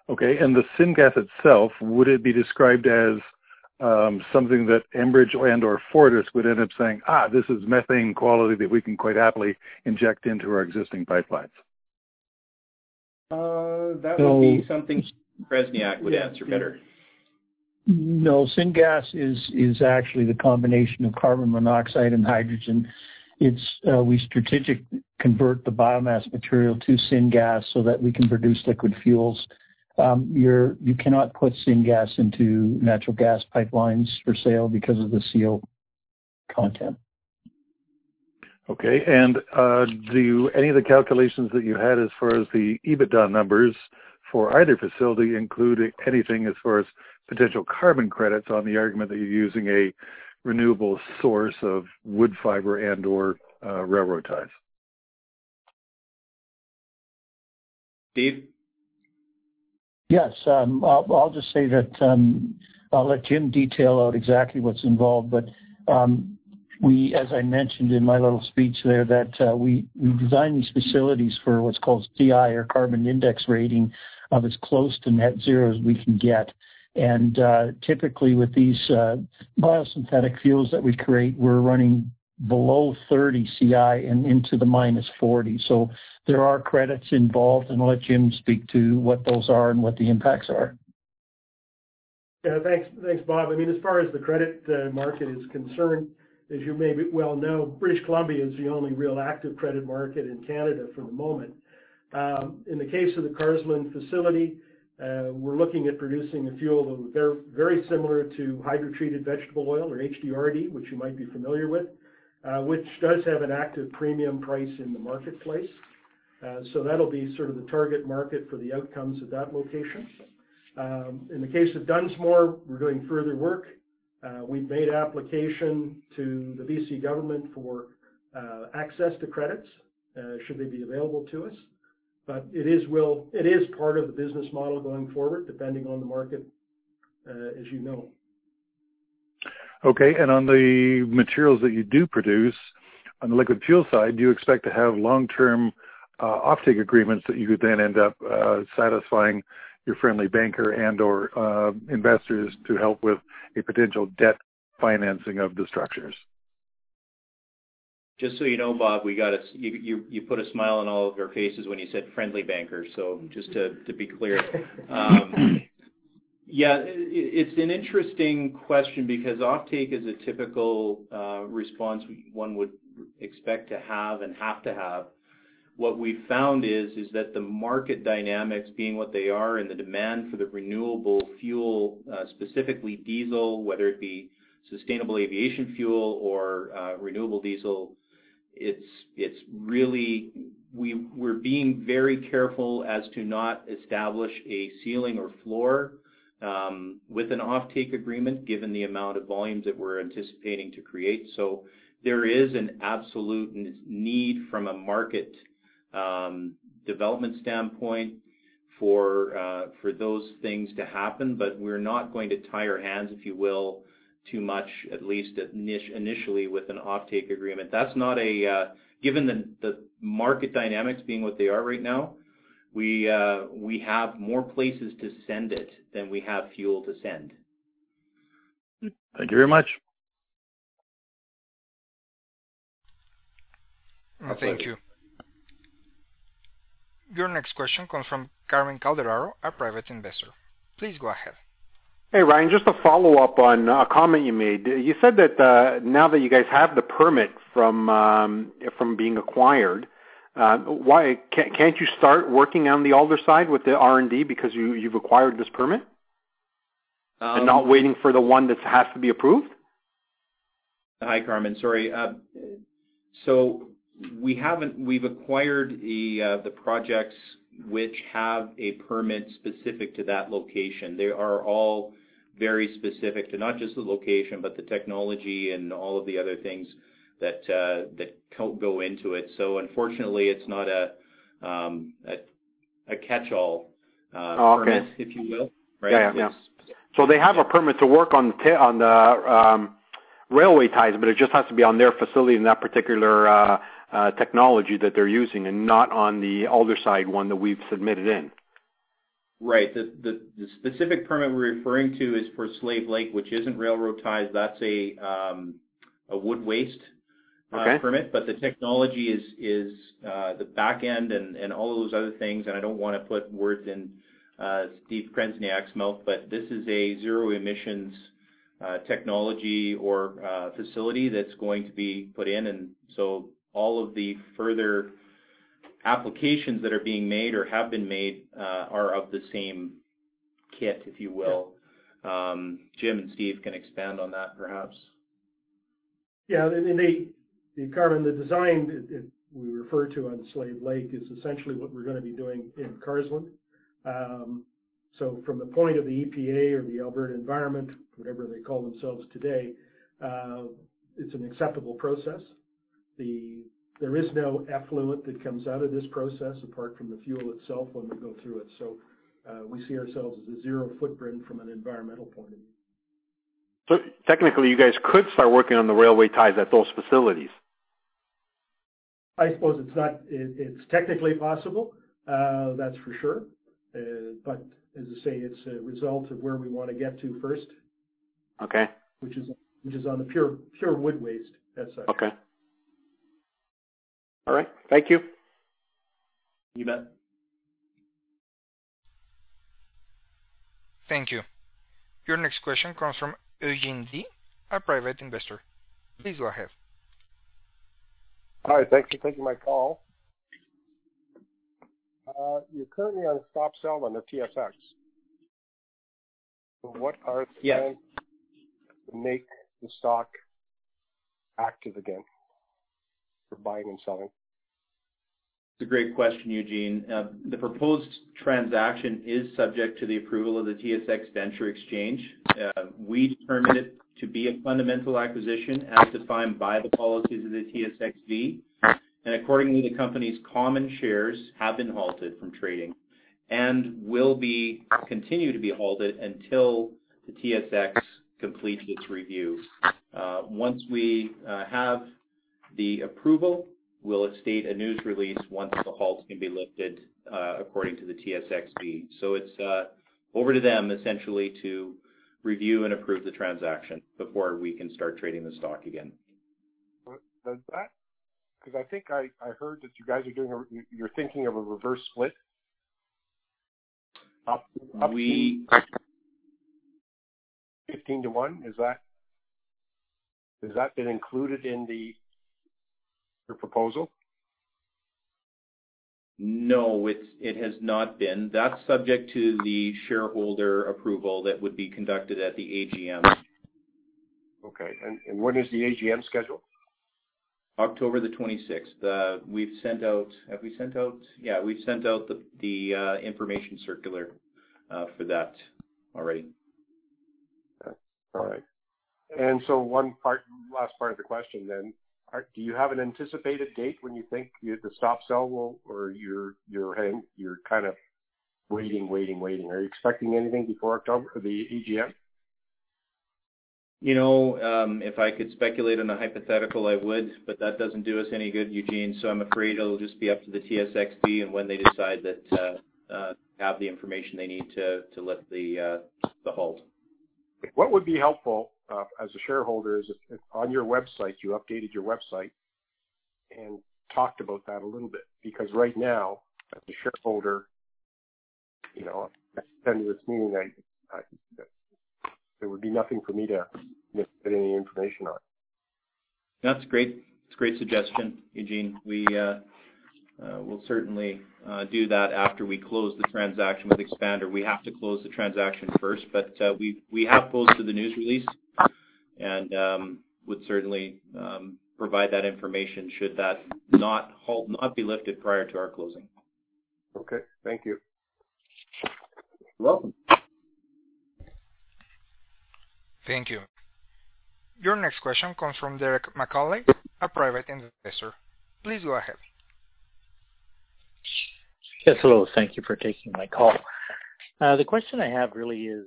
Okay. And the syngas itself, would it be described as something that Enbridge and/or Fortis would end up saying, "Ah, this is methane quality that we can quite happily inject into our existing pipelines? That would be something Kresnyak would answer better. No, Syngas is actually the combination of carbon monoxide and hydrogen. It's we strategically convert the biomass material to Syngas so that we can produce liquid fuels. You cannot put Syngas into natural gas pipelines for sale because of the CO content. Okay. And, do any of the calculations that you had as far as the EBITDA numbers for either facility include anything as far as potential carbon credits on the argument that you're using a renewable source of wood fiber and/or, railroad ties? Steve? I'll just say that, I'll let Jim detail out exactly what's involved. As I mentioned in my little speech there, that, we, we design these facilities for what's called CI or Carbon Intensity, of as close to net zero as we can get. And, typically, with these, biosynthetic fuels that we create, we're running below 30 CI and into the -40. So there are credits involved, and I'll let Jim speak to what those are and what the impacts are. Yeah, thanks. Thanks, Bob. I mean, as far as the credit market is concerned, as you may well know, British Columbia is the only real active credit market in Canada for the moment. In the case of the Carseland facility, we're looking at producing a fuel that very similar to Hydrotreated Vegetable Oil or HDRD, which you might be familiar with, which does have an active premium price in the marketplace. So that'll be sort of the target market for the outcomes of that location. In the case of Dunmore, we're doing further work. We've made application to the BC government for access to credits, should they be available to us. But it is part of the business model going forward, depending on the market, as you know. Okay. On the materials that you do produce, on the liquid fuel side, do you expect to have long-term offtake agreements that you could then end up satisfying your friendly banker and/or investors to help with a potential debt financing of the structures? Just so you know, Bob, you put a smile on all of our faces when you said friendly bankers. Just to be clear. Yeah, it's an interesting question because offtake is a typical response one would expect to have and have to have. What we found is that the market dynamics, being what they are, and the demand for the renewable fuel, specifically diesel, whether it be sustainable aviation fuel or renewable diesel, we're being very careful as to not establish a ceiling or floor with an offtake agreement, given the amount of volumes that we're anticipating to create. There is an absolute need from a market development standpoint for those things to happen, but we're not going to tie our hands, if you will, too much, at least initially, with an offtake agreement. Given the market dynamics being what they are right now, we have more places to send it than we have fuel to send. Thank you very much. Thank you. Your next question comes from Carmen Calderaro, a private investor. Please go ahead. Hey, Ryan. Just a follow-up on a comment you made. You said that, now that you guys have the permit from being acquired, why can't you start working on the Aldersyde with the R&D because you, you've acquired this permit? Not waiting for the one that has to be approved? Hi, Carmen. Sorry. So we haven't. We've acquired the the projects which have a permit specific to that location. They are all very specific to not just the location, but the technology and all of the other things that go into it. So unfortunately, it's not a catch-all permit, if you will. Right? Yeah, yeah. So they have a permit to work on the railway ties, but it just has to be on their facility in that particular technology that they're using and not on the Aldersyde one that we've submitted in. Right. The specific permit we're referring to is for Slave Lake, which isn't railroad ties. That's a wood waste permit, but the technology is, is, the back end and, and all those other things, and I don't wanna put words in Steve Kresnyak's mouth, but this is a zero-emissions technology or facility that's going to be put in. And so all of the further applications that are being made or have been made are of the same kit, if you will. Jim and Steve can expand on that, perhaps. Yeah, and they, Carmen, the design that we refer to on Slave Lake is essentially what we're gonna be doing in Carseland. So from the point of the EPA or the Alberta Environment, whatever they call themselves today, it's an acceptable process. There is no effluent that comes out of this process apart from the fuel itself when we go through it. So, we see ourselves as a zero footprint from an environmental point of view. Technically, you guys could start working on the railway ties at those facilities? I suppose it's technically possible, that's for sure. But as I say, it's a result of where we want to get to first. Which is on the pure wood waste, that's it. Okay. All right. Thank you. You bet. Thank you. Your next question comes from Eugene Z, a private investor. Please go ahead. Hi, thank you for taking my call. You're currently on a stop sell under TSX. So what are- Yes. Make the stock active again for buying and selling? It's a great question, Eugene. The proposed transaction is subject to the approval of the TSX Venture Exchange. We determine it to be a fundamental acquisition as defined by the policies of the TSXV. And accordingly, the company's common shares have been halted from trading and will continue to be halted until the TSX completes its review. Once we have the approval, we'll state a news release once the halt can be lifted, according to the TSXV. So it's over to them essentially to review and approve the transaction before we can start trading the stock again. Because I think I heard that you guys are doing a, you're thinking of a reverse split, up 15:1, is that, has that been included in the, your proposal? No, it's, it has not been. That's subject to the shareholder approval that would be conducted at the AGM. Okay, and when is the AGM scheduled? October 26th. Have we sent out? Yeah, we've sent out the information circular for that already. All right. So one part, last part of the question then. Do you have an anticipated date when you think the stop sell will, or you're kind of waiting. Are you expecting anything before October, the AGM? You know, if I could speculate on a hypothetical, I would, but that doesn't do us any good, Eugene. So I'm afraid it'll just be up to the TSXV and when they decide that they have the information they need to lift the halt. What would be helpful, as a shareholder, is if on your website, you updated your website and talked about that a little bit, because right now, as a shareholder, you know, attending this meeting, I there would be nothing for me to get any information on. That's great. It's a great suggestion, Eugene. We, we'll certainly do that after we close the transaction with Expander. We have to close the transaction first, but, we, we have posted the news release and, would certainly provide that information should that not halt, not be lifted prior to our closing. Okay, thank you. You're welcome. Thank you. Your next question comes from Derek McCauley, a private investor. Please go ahead. Yes, hello. Thank you for taking my call. The question I have really is,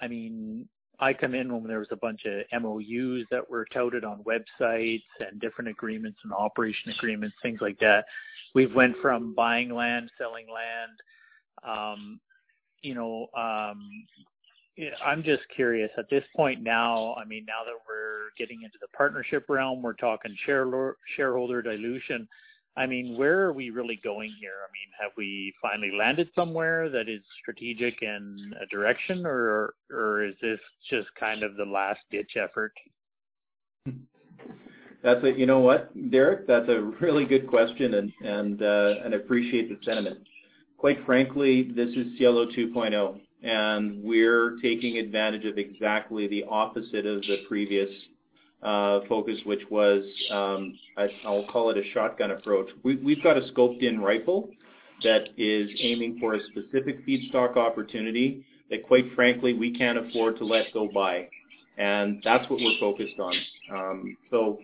I mean, I come in when there was a bunch of MOUs that were touted on websites and different agreements and operation agreements, things like that. We've went from buying land, selling land, you know, I'm just curious, at this point now, I mean, now that we're getting into the partnership realm, we're talking shareholder dilution. I mean, where are we really going here? I mean, have we finally landed somewhere that is strategic in a direction, or is this just kind of the last-ditch effort? You know what, Derek? That's a really good question, and I appreciate the sentiment. Quite frankly, this is Cielo 2.0, and we're taking advantage of exactly the opposite of the previous focus, which was, I'll call it a shotgun approach. We've got a scoped-in rifle that is aiming for a specific feedstock opportunity that, quite frankly, we can't afford to let go by. And that's what we're focused on. So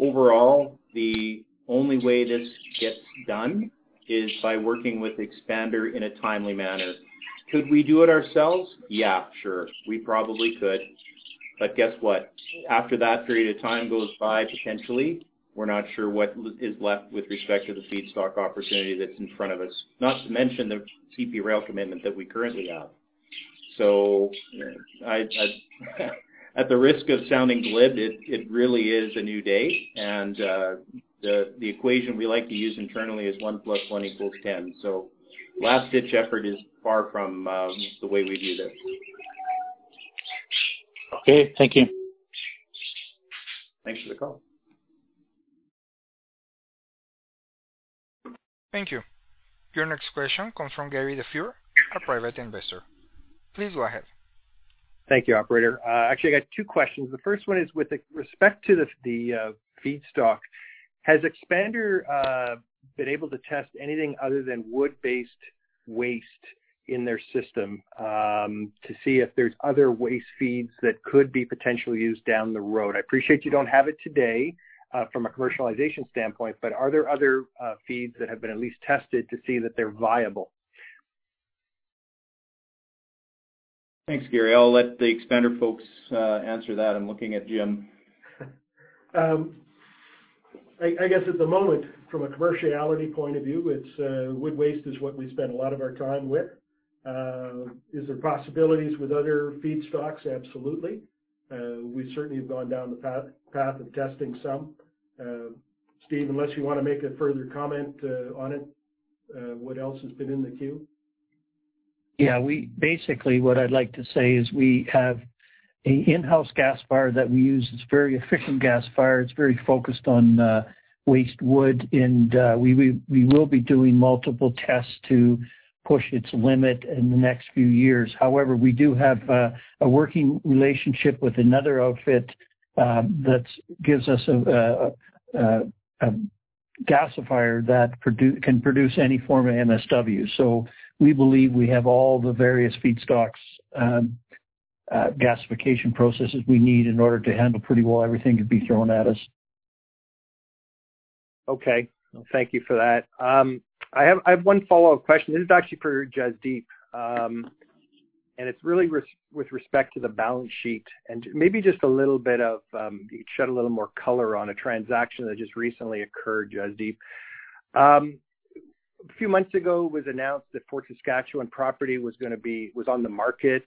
overall, the only way this gets done is by working with Expander in a timely manner. Could we do it ourselves? Yeah, sure. We probably could. But guess what? After that period of time goes by, potentially, we're not sure what is left with respect to the feedstock opportunity that's in front of us. Not to mention the CP Rail commitment that we currently have. So I at the risk of sounding glib, it really is a new day, and the equation we like to use internally is 1 + 1 = 10. So last-ditch effort is far from the way we view this. Okay, thank you. Thanks for the call. Thank you. Your next question comes from Gary LaFleur, a private investor. Please go ahead. Thank you, operator. Actually, I got two questions. The first one is with respect to the feedstock. Has Expander been able to test anything other than wood-based waste in their system, to see if there's other waste feeds that could be potentially used down the road? I appreciate you don't have it today, from a commercialization standpoint, but are there other, feeds that have been at least tested to see that they're viable? Thanks, Gary. I'll let the expander folks answer that. I'm looking at Jim. I guess at the moment, from a commerciality point of view, it's wood waste is what we spend a lot of our time with. Is there possibilities with other feedstocks? Absolutely. We certainly have gone down the path of testing some. Steve, unless you want to make a further comment on it, what else has been in the queue? Yeah, we basically, what I'd like to say is we have an in-house gasifier that we use. It's a very efficient gasifier. It's very focused on waste wood, and we will be doing multiple tests to push its limit in the next few years. However, we do have a working relationship with another outfit that gives us a gasifier that can produce any form of MSW. So we believe we have all the various feedstocks, gasification processes we need in order to handle pretty well everything that could be thrown at us. Okay. Thank you for that. I have one follow-up question. This is actually for Jasdeep. And it's really with respect to the balance sheet and maybe just a little bit of shed a little more color on a transaction that just recently occurred, Jasdeep. A few months ago, it was announced that Fort Saskatchewan property was on the market.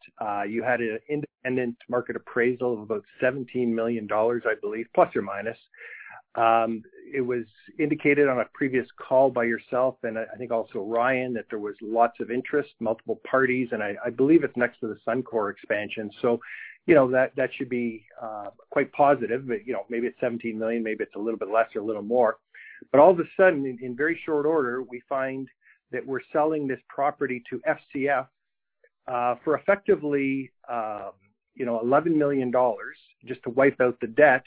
You had an independent market appraisal of about 17 million±. It was indicated on a previous call by yourself, and I think also Ryan, that there was lots of interest, multiple parties, and I believe it's next to the Suncor expansion. That should be quite positive. But, you know, maybe it's 17 million, maybe it's a little bit less or a little more. But all of a sudden, in very short order, we find that we're selling this property to FCF, for effectively, you know, 11 million dollars, just to wipe out the debt.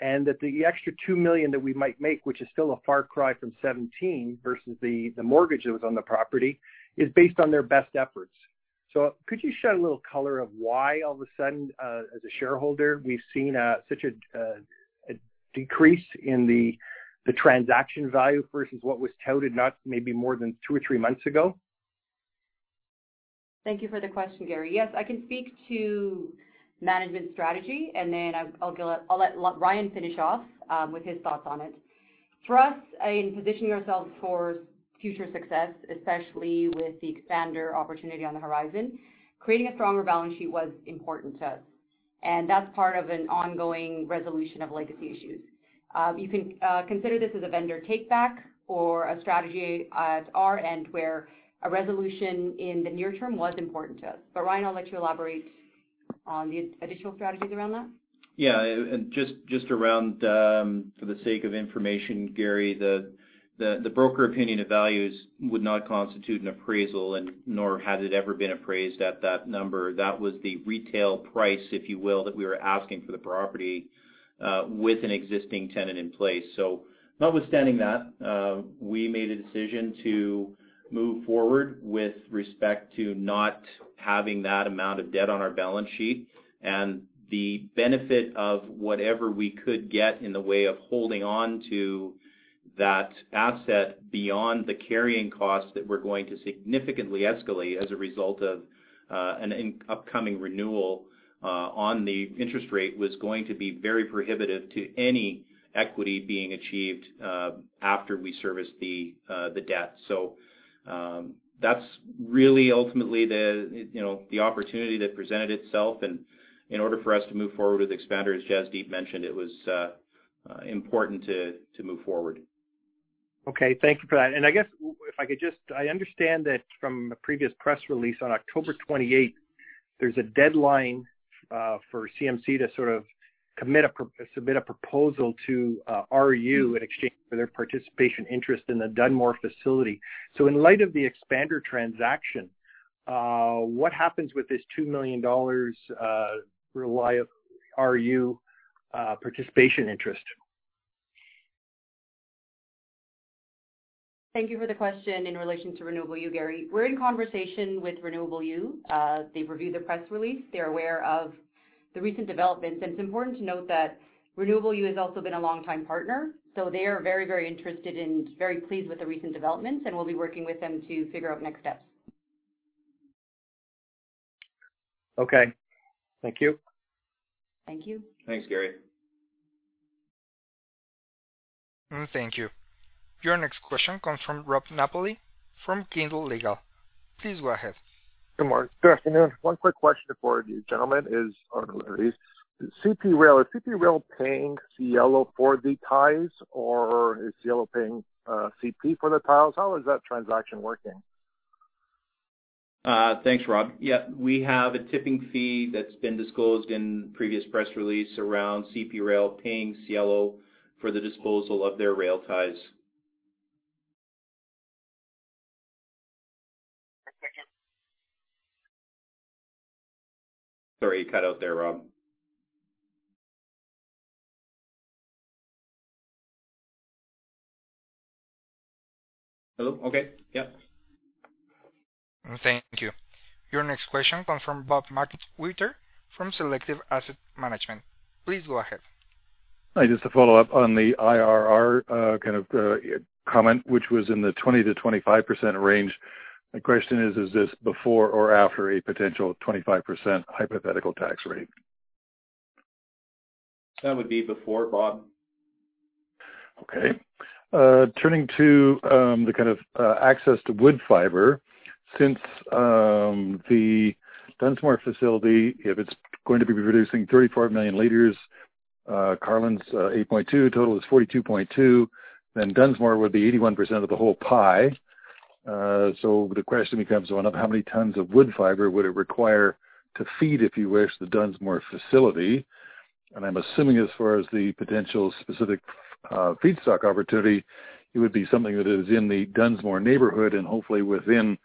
And that the extra 2 million that we might make, which is still a far cry from 17, versus the mortgage that was on the property, is based on their best efforts. So could you shed a little color on why, all of a sudden, as a shareholder, we've seen such a decrease in the transaction value versus what was touted, not maybe more than two or three months ago? Thank you for the question, Gary. Yes, I can speak to management strategy, and then I'll let Ryan finish off with his thoughts on it. For us, in positioning ourselves for future success, especially with the Expander opportunity on the horizon, creating a stronger balance sheet was important to us, and that's part of an ongoing resolution of legacy issues. You can consider this as a vendor takeback or a strategy at our end, where a resolution in the near term was important to us. But Ryan, I'll let you elaborate on the additional strategies around that. Yeah, and just around for the sake of information, Gary, the broker opinion of values would not constitute an appraisal and nor has it ever been appraised at that number. That was the retail price, if you will, that we were asking for the property with an existing tenant in place. So notwithstanding that, we made a decision to move forward with respect to not having that amount of debt on our balance sheet. And the benefit of whatever we could get in the way of holding on to that asset beyond the carrying cost, that we're going to significantly escalate as a result of an upcoming renewal on the interest rate, was going to be very prohibitive to any equity being achieved after we serviced the debt. So, that's really ultimately the, you know, the opportunity that presented itself. And in order for us to move forward with Expander, as Jasdeep mentioned, it was important to move forward. Okay, thank you for that. And I guess if I could just, I understand that from a previous press release on October 28, there's a deadline for CMC to sort of commit a, submit a proposal to RU in exchange for their participation interest in the Dunmore facility. So in light of the Expander transaction, what happens with this 2 million dollars royalty of RU participation interest? Thank you for the question in relation to Renewable U, Gary. We're in conversation with Renewable U. They've reviewed the press release. They're aware of the recent developments, and it's important to note that Renewable U has also been a long-time partner, so they are very, very interested and very pleased with the recent developments, and we'll be working with them to figure out next steps. Okay. Thank you. Thank you. Thanks, Gary. Thank you. Your next question comes from Rob Napoli from Kendall Legal. Please go ahead. Good morning. Good afternoon. One quick question for you, gentlemen, is on CP Rail. Is CP Rail paying Cielo for the ties, or is Cielo paying CP for the ties? How is that transaction working? Thanks, Rob. Yeah, we have a tipping fee that's been disclosed in previous press release around CP Rail paying Cielo for the disposal of their rail ties. Thank you. Your next question comes from Bob McWhirter from Selective Asset Management. Please go ahead. Hi, just a follow-up on the IRR, kind of, comment, which was in the 20%-25% range. My question is, is this before or after a potential 25% hypothetical tax rate? That would be before, Bob. Okay. Turning to the kind of access to wood fiber, since the Dunmore facility, if it's going to be producing 34 million liters, Carseland's 8.2, total is 42.2, then Dunmore would be 81% of the whole pie. So the question becomes one of how many tons of wood fiber would it require to feed, if you wish, the Dunmore facility? And I'm assuming as far as the potential specific feedstock opportunity, it would be something that is in the Dunmore neighborhood and hopefully within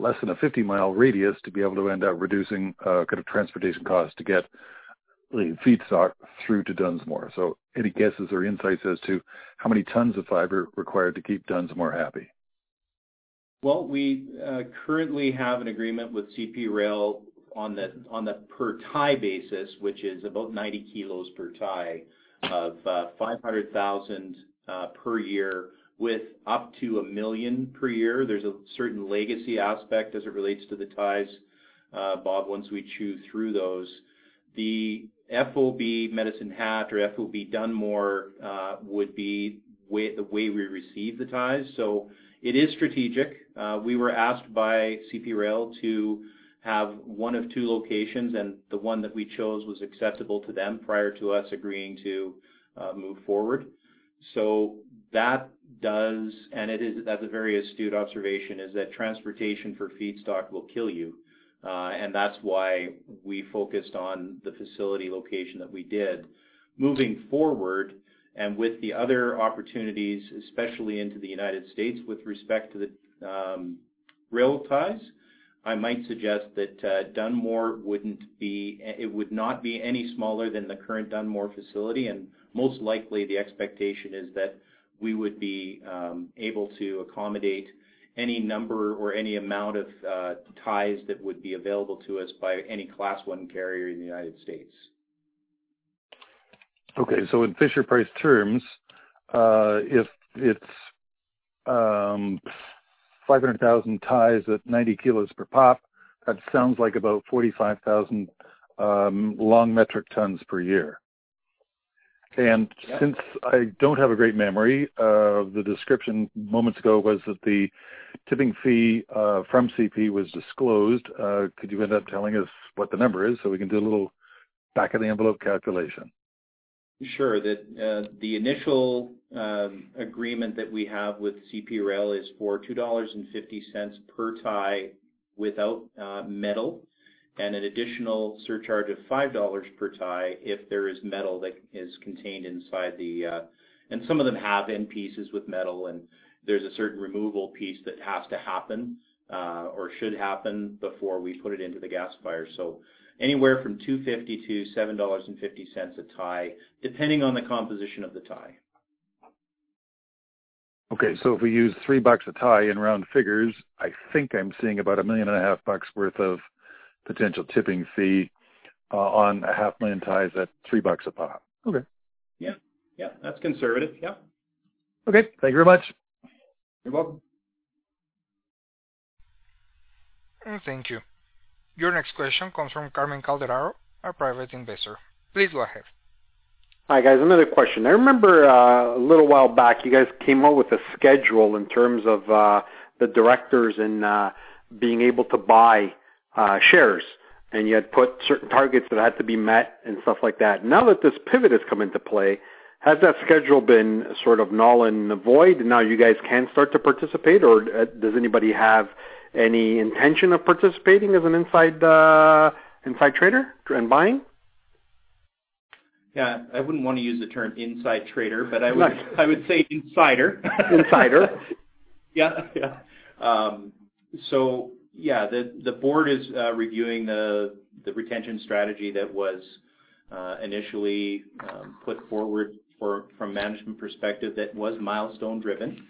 less than a 50-mile radius, to be able to end up reducing kind of transportation costs to get the feedstock through to Dunmore. So any guesses or insights as to how many tons of fiber required to keep Dunmore happy? Well, we currently have an agreement with CP Rail on the per tie basis, which is about 90 kilos per tie of 500,000 per year, with up to 1,000,000 per year. There's a certain legacy aspect as it relates to the ties, Bob, once we chew through those. The FOB Medicine Hat or FOB Dunmore would be the way we receive the ties, so it is strategic. We were asked by CP Rail to have one of two locations, and the one that we chose was accessible to them prior to us agreeing to move forward. And it is, that's a very astute observation, is that transportation for feedstock will kill you. And that's why we focused on the facility location that we did. Moving forward and with the other opportunities, especially into the United States, with respect to the rail ties, I might suggest that Dunmore wouldn't be. It would not be any smaller than the current Dunmore facility, and most likely, the expectation is that we would be able to accommodate any number or any amount of ties that would be available to us by any Class I carrier in the United States. Okay. In Fisher-Price terms, if it's 500,000 ties at 90 kg per pop, that sounds like about 45,000 long metric tons per year. Since I don't have a great memory, the description moments ago was that the tipping fee from CP was disclosed. Could you end up telling us what the number is so we can do a little back of the envelope calculation? Sure. The initial agreement that we have with CP Rail is for 2.50 dollars per tie without metal, and an additional surcharge of 5 dollars per tie if there is metal that is contained inside and some of them have end pieces with metal, and there's a certain removal piece that has to happen, or should happen before we put it into the gasifier. So anywhere from 2.50 to 7.50 dollars a tie, depending on the composition of the tie. Okay. So if we use 3 bucks a tie in round figures, I think I'm seeing about 1.5 million worth of potential tipping fee on a 500,000 ties at 3 bucks a pop. Okay. That's conservative. Yeah. Okay. Thank you very much. You're welcome. Thank you. Your next question comes from Carmen Calderaro, a private investor. Please go ahead. Hi, guys. Another question. I remember, a little while back, you guys came out with a schedule in terms of, the directors and, being able to buy, shares, and you had put certain targets that had to be met and stuff like that. Now that this pivot has come into play, has that schedule been sort of null and void, now you guys can start to participate, or, does anybody have any intention of participating as an insider, insider trader and buying? Yeah, I wouldn't want to use the term insider trader, but I would say insider. Yeah. So yeah, the board is reviewing the retention strategy that was initially put forward from management perspective, that was milestone-driven.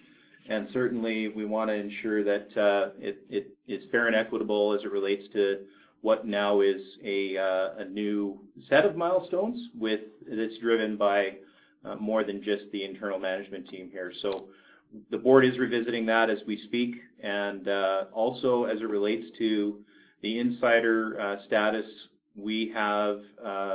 And certainly, we want to ensure that it's fair and equitable as it relates to what now is a new set of milestones that's driven by more than just the internal management team here. So the board is revisiting that as we speak. And also as it relates to the insider status, we have,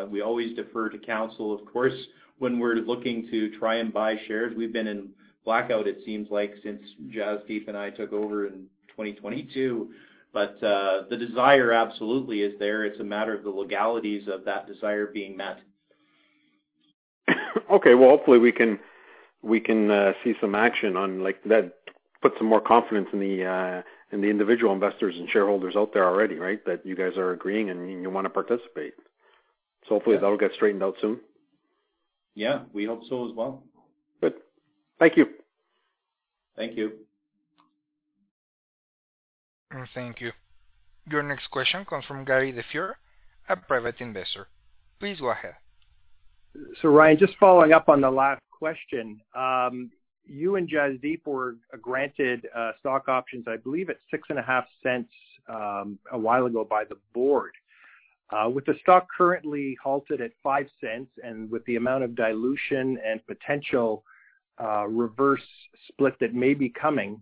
we always defer to counsel, of course, when we're looking to try and buy shares. We've been in blackout, it seems like, since Jasdeep and I took over in 2022. But the desire absolutely is there. It's a matter of the legalities of that desire being met. Okay, well, hopefully we can see some action on like that puts some more confidence in the individual investors and shareholders out there already, right? That you guys are agreeing and you want to participate. So hopefully that will get straightened out soon. Yeah, we hope so as well. Good. Thank you. Thank you. Thank you. Your next question comes from Gary LaFleur, a private investor. Please go ahead. So Ryan, just following up on the last question. You and Jasdeep were granted stock options, I believe, at 0.065 a while ago by the board. With the stock currently halted at 0.05 and with the amount of dilution and potential reverse split that may be coming,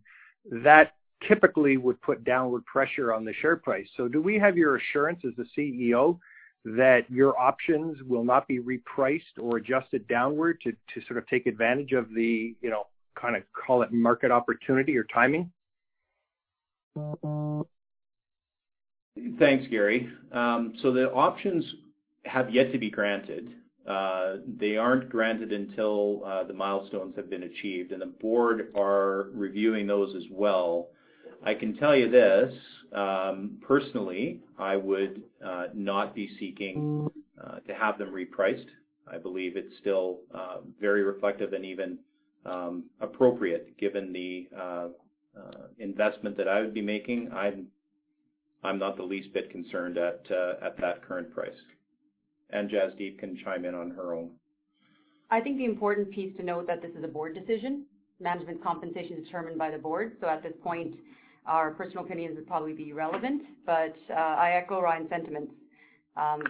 that typically would put downward pressure on the share price. So do we have your assurance as the CEO, that your options will not be repriced or adjusted downward to sort of take advantage of the, you know, kind of, call it market opportunity or timing? Thanks, Gary. So the options have yet to be granted. They aren't granted until the milestones have been achieved, and the board are reviewing those as well. I can tell you this, personally, I would not be seeking to have them repriced. I believe it's still very reflective and even appropriate given the investment that I would be making. I'm not the least bit concerned at that current price, and Jasdeep can chime in on her own. I think the important piece to note that this is a board decision, management compensation is determined by the board. So at this point, our personal opinions would probably be irrelevant, but, I echo Ryan's sentiments.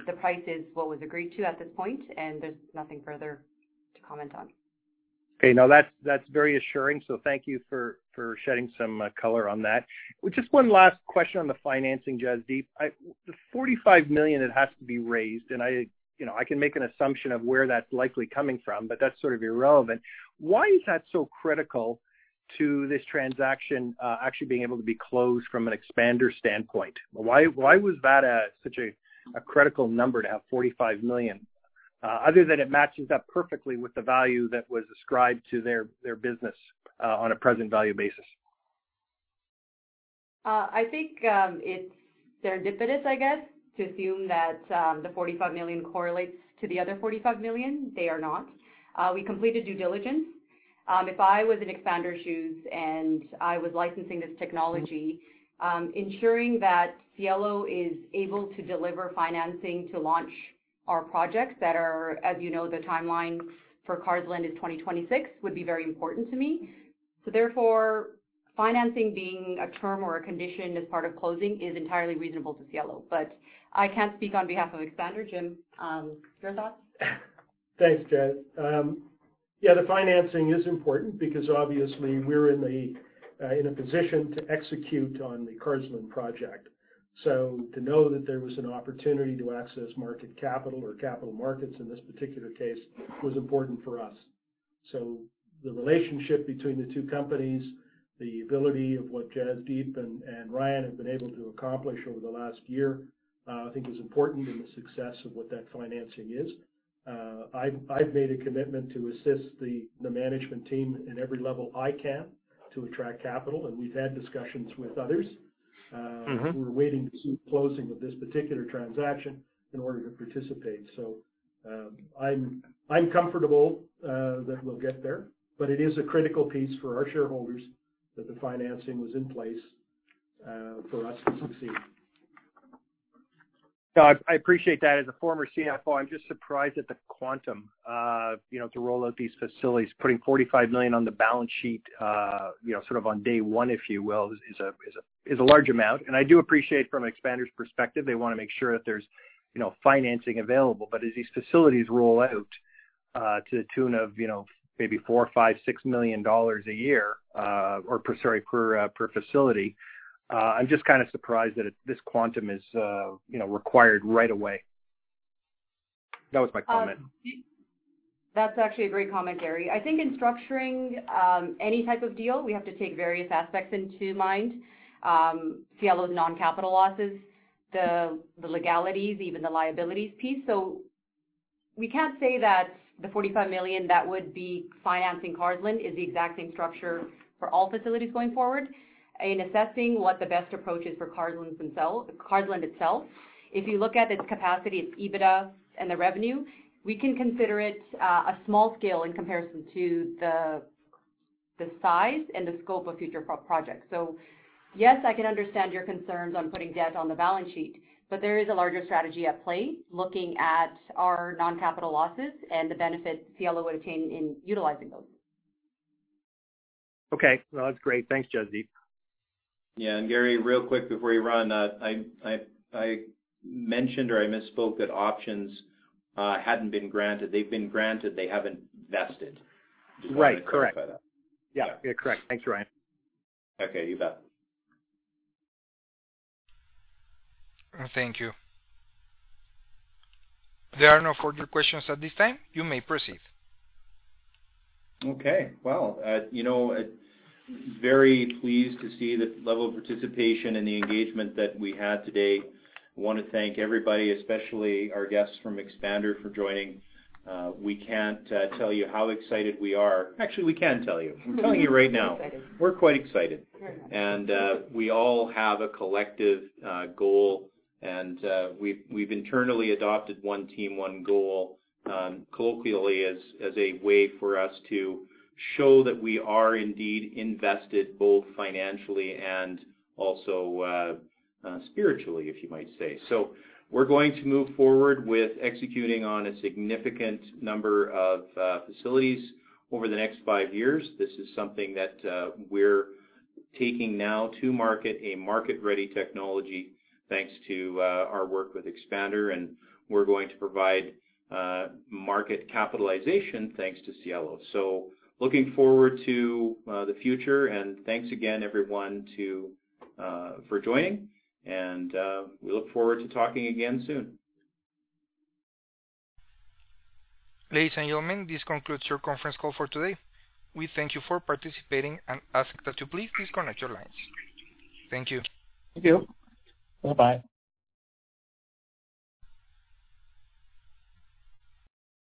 The price is what was agreed to at this point, and there's nothing further to comment on. Okay, now that's, that's very assuring. So thank you for, for shedding some color on that. Just one last question on the financing, Jasdeep. The 45 million that has to be raised, and I, you know, I can make an assumption of where that's likely coming from, but that's sort of irrelevant. Why is that so critical to this transaction actually being able to be closed from an Expander standpoint? Why, why was that such a critical number to have 45 million other than it matches up perfectly with the value that was ascribed to their, their business on a present value basis? I think, it's serendipitous, I guess, to assume that, the 45 million correlates to the other 45 million. They are not. We completed due diligence. If I was in Expander's shoes and I was licensing this technology, ensuring that Cielo is able to deliver financing to launch our projects that are, as you know, the timeline for Carseland is 2026, would be very important to me. So therefore, financing being a term or a condition as part of closing is entirely reasonable to Cielo. But I can't speak on behalf of Expander. Jim, your thoughts? Thanks, Jas. Yeah, the financing is important because obviously we're in a position to execute on the Carseland project. So to know that there was an opportunity to access market capital or capital markets in this particular case was important for us. So the relationship between the two companies, the ability of what Jasdeep and Ryan have been able to accomplish over the last year, I think is important in the success of what that financing is. I've made a commitment to assist the management team in every level I can to attract capital, and we've had discussions with others. Mm-hmm. We're waiting to see closing of this particular transaction in order to participate. So, I'm comfortable that we'll get there, but it is a critical piece for our shareholders that the financing was in place for us to succeed. I appreciate that. As a former CFO, I'm just surprised at the quantum to roll out these facilities, putting 45 million on the balance sheet on day one, if you will, is a large amount, and I do appreciate from an Expander's perspective, they wanna make sure that there's financing available. But as these facilities roll out, to the tune of, you know, maybe 4 million, 5 million, 6 million dollars a year, or per facility, I'm just kind of surprised that this quantum is, you know, required right away. That was my comment. That's actually a great comment, Gary. I think in structuring any type of deal, we have to take various aspects into mind. Cielo's non-capital losses, the, the legalities, even the liabilities piece. So we can't say that the 45 million that would be financing Carseland is the exact same structure for all facilities going forward. In assessing what the best approach is for Carseland itself, if you look at its capacity, its EBITDA and the revenue, we can consider it a small scale in comparison to the size and the scope of future projects. So yes, I can understand your concerns on putting debt on the balance sheet, but there is a larger strategy at play, looking at our non-capital losses and the benefit Cielo would obtain in utilizing those. Okay. Well, that's great. Thanks, Jasdeep. Yeah, Gary, real quick before you run. I mentioned or I misspoke that options hadn't been granted. They've been granted, they haven't vested. Right. Correct. Just want to clarify that. Yeah. Yeah, correct. Thank you, Ryan. Okay, you bet. Thank you. There are no further questions at this time. You may proceed. Okay, well, very pleased to see the level of participation and the engagement that we had today. I want to thank everybody, especially our guests from Expander, for joining. We can't tell you how excited we are. Actually, we can tell you. We're telling you right now. We're quite excited. We all have a collective goal, and we've internally adopted one team, one goal, colloquially as a way for us to show that we are indeed invested, both financially and also spiritually, if you might say. So we're going to move forward with executing on a significant number of facilities over the next five years. This is something that we're taking now to market, a market-ready technology, thanks to our work with Expander, and we're going to provide market capitalization, thanks to Cielo. So looking forward to the future, and thanks again, everyone, for joining, and we look forward to talking again soon. Ladies and gentlemen, this concludes your conference call for today. We thank you for participating and ask that you please disconnect your lines. Thank you.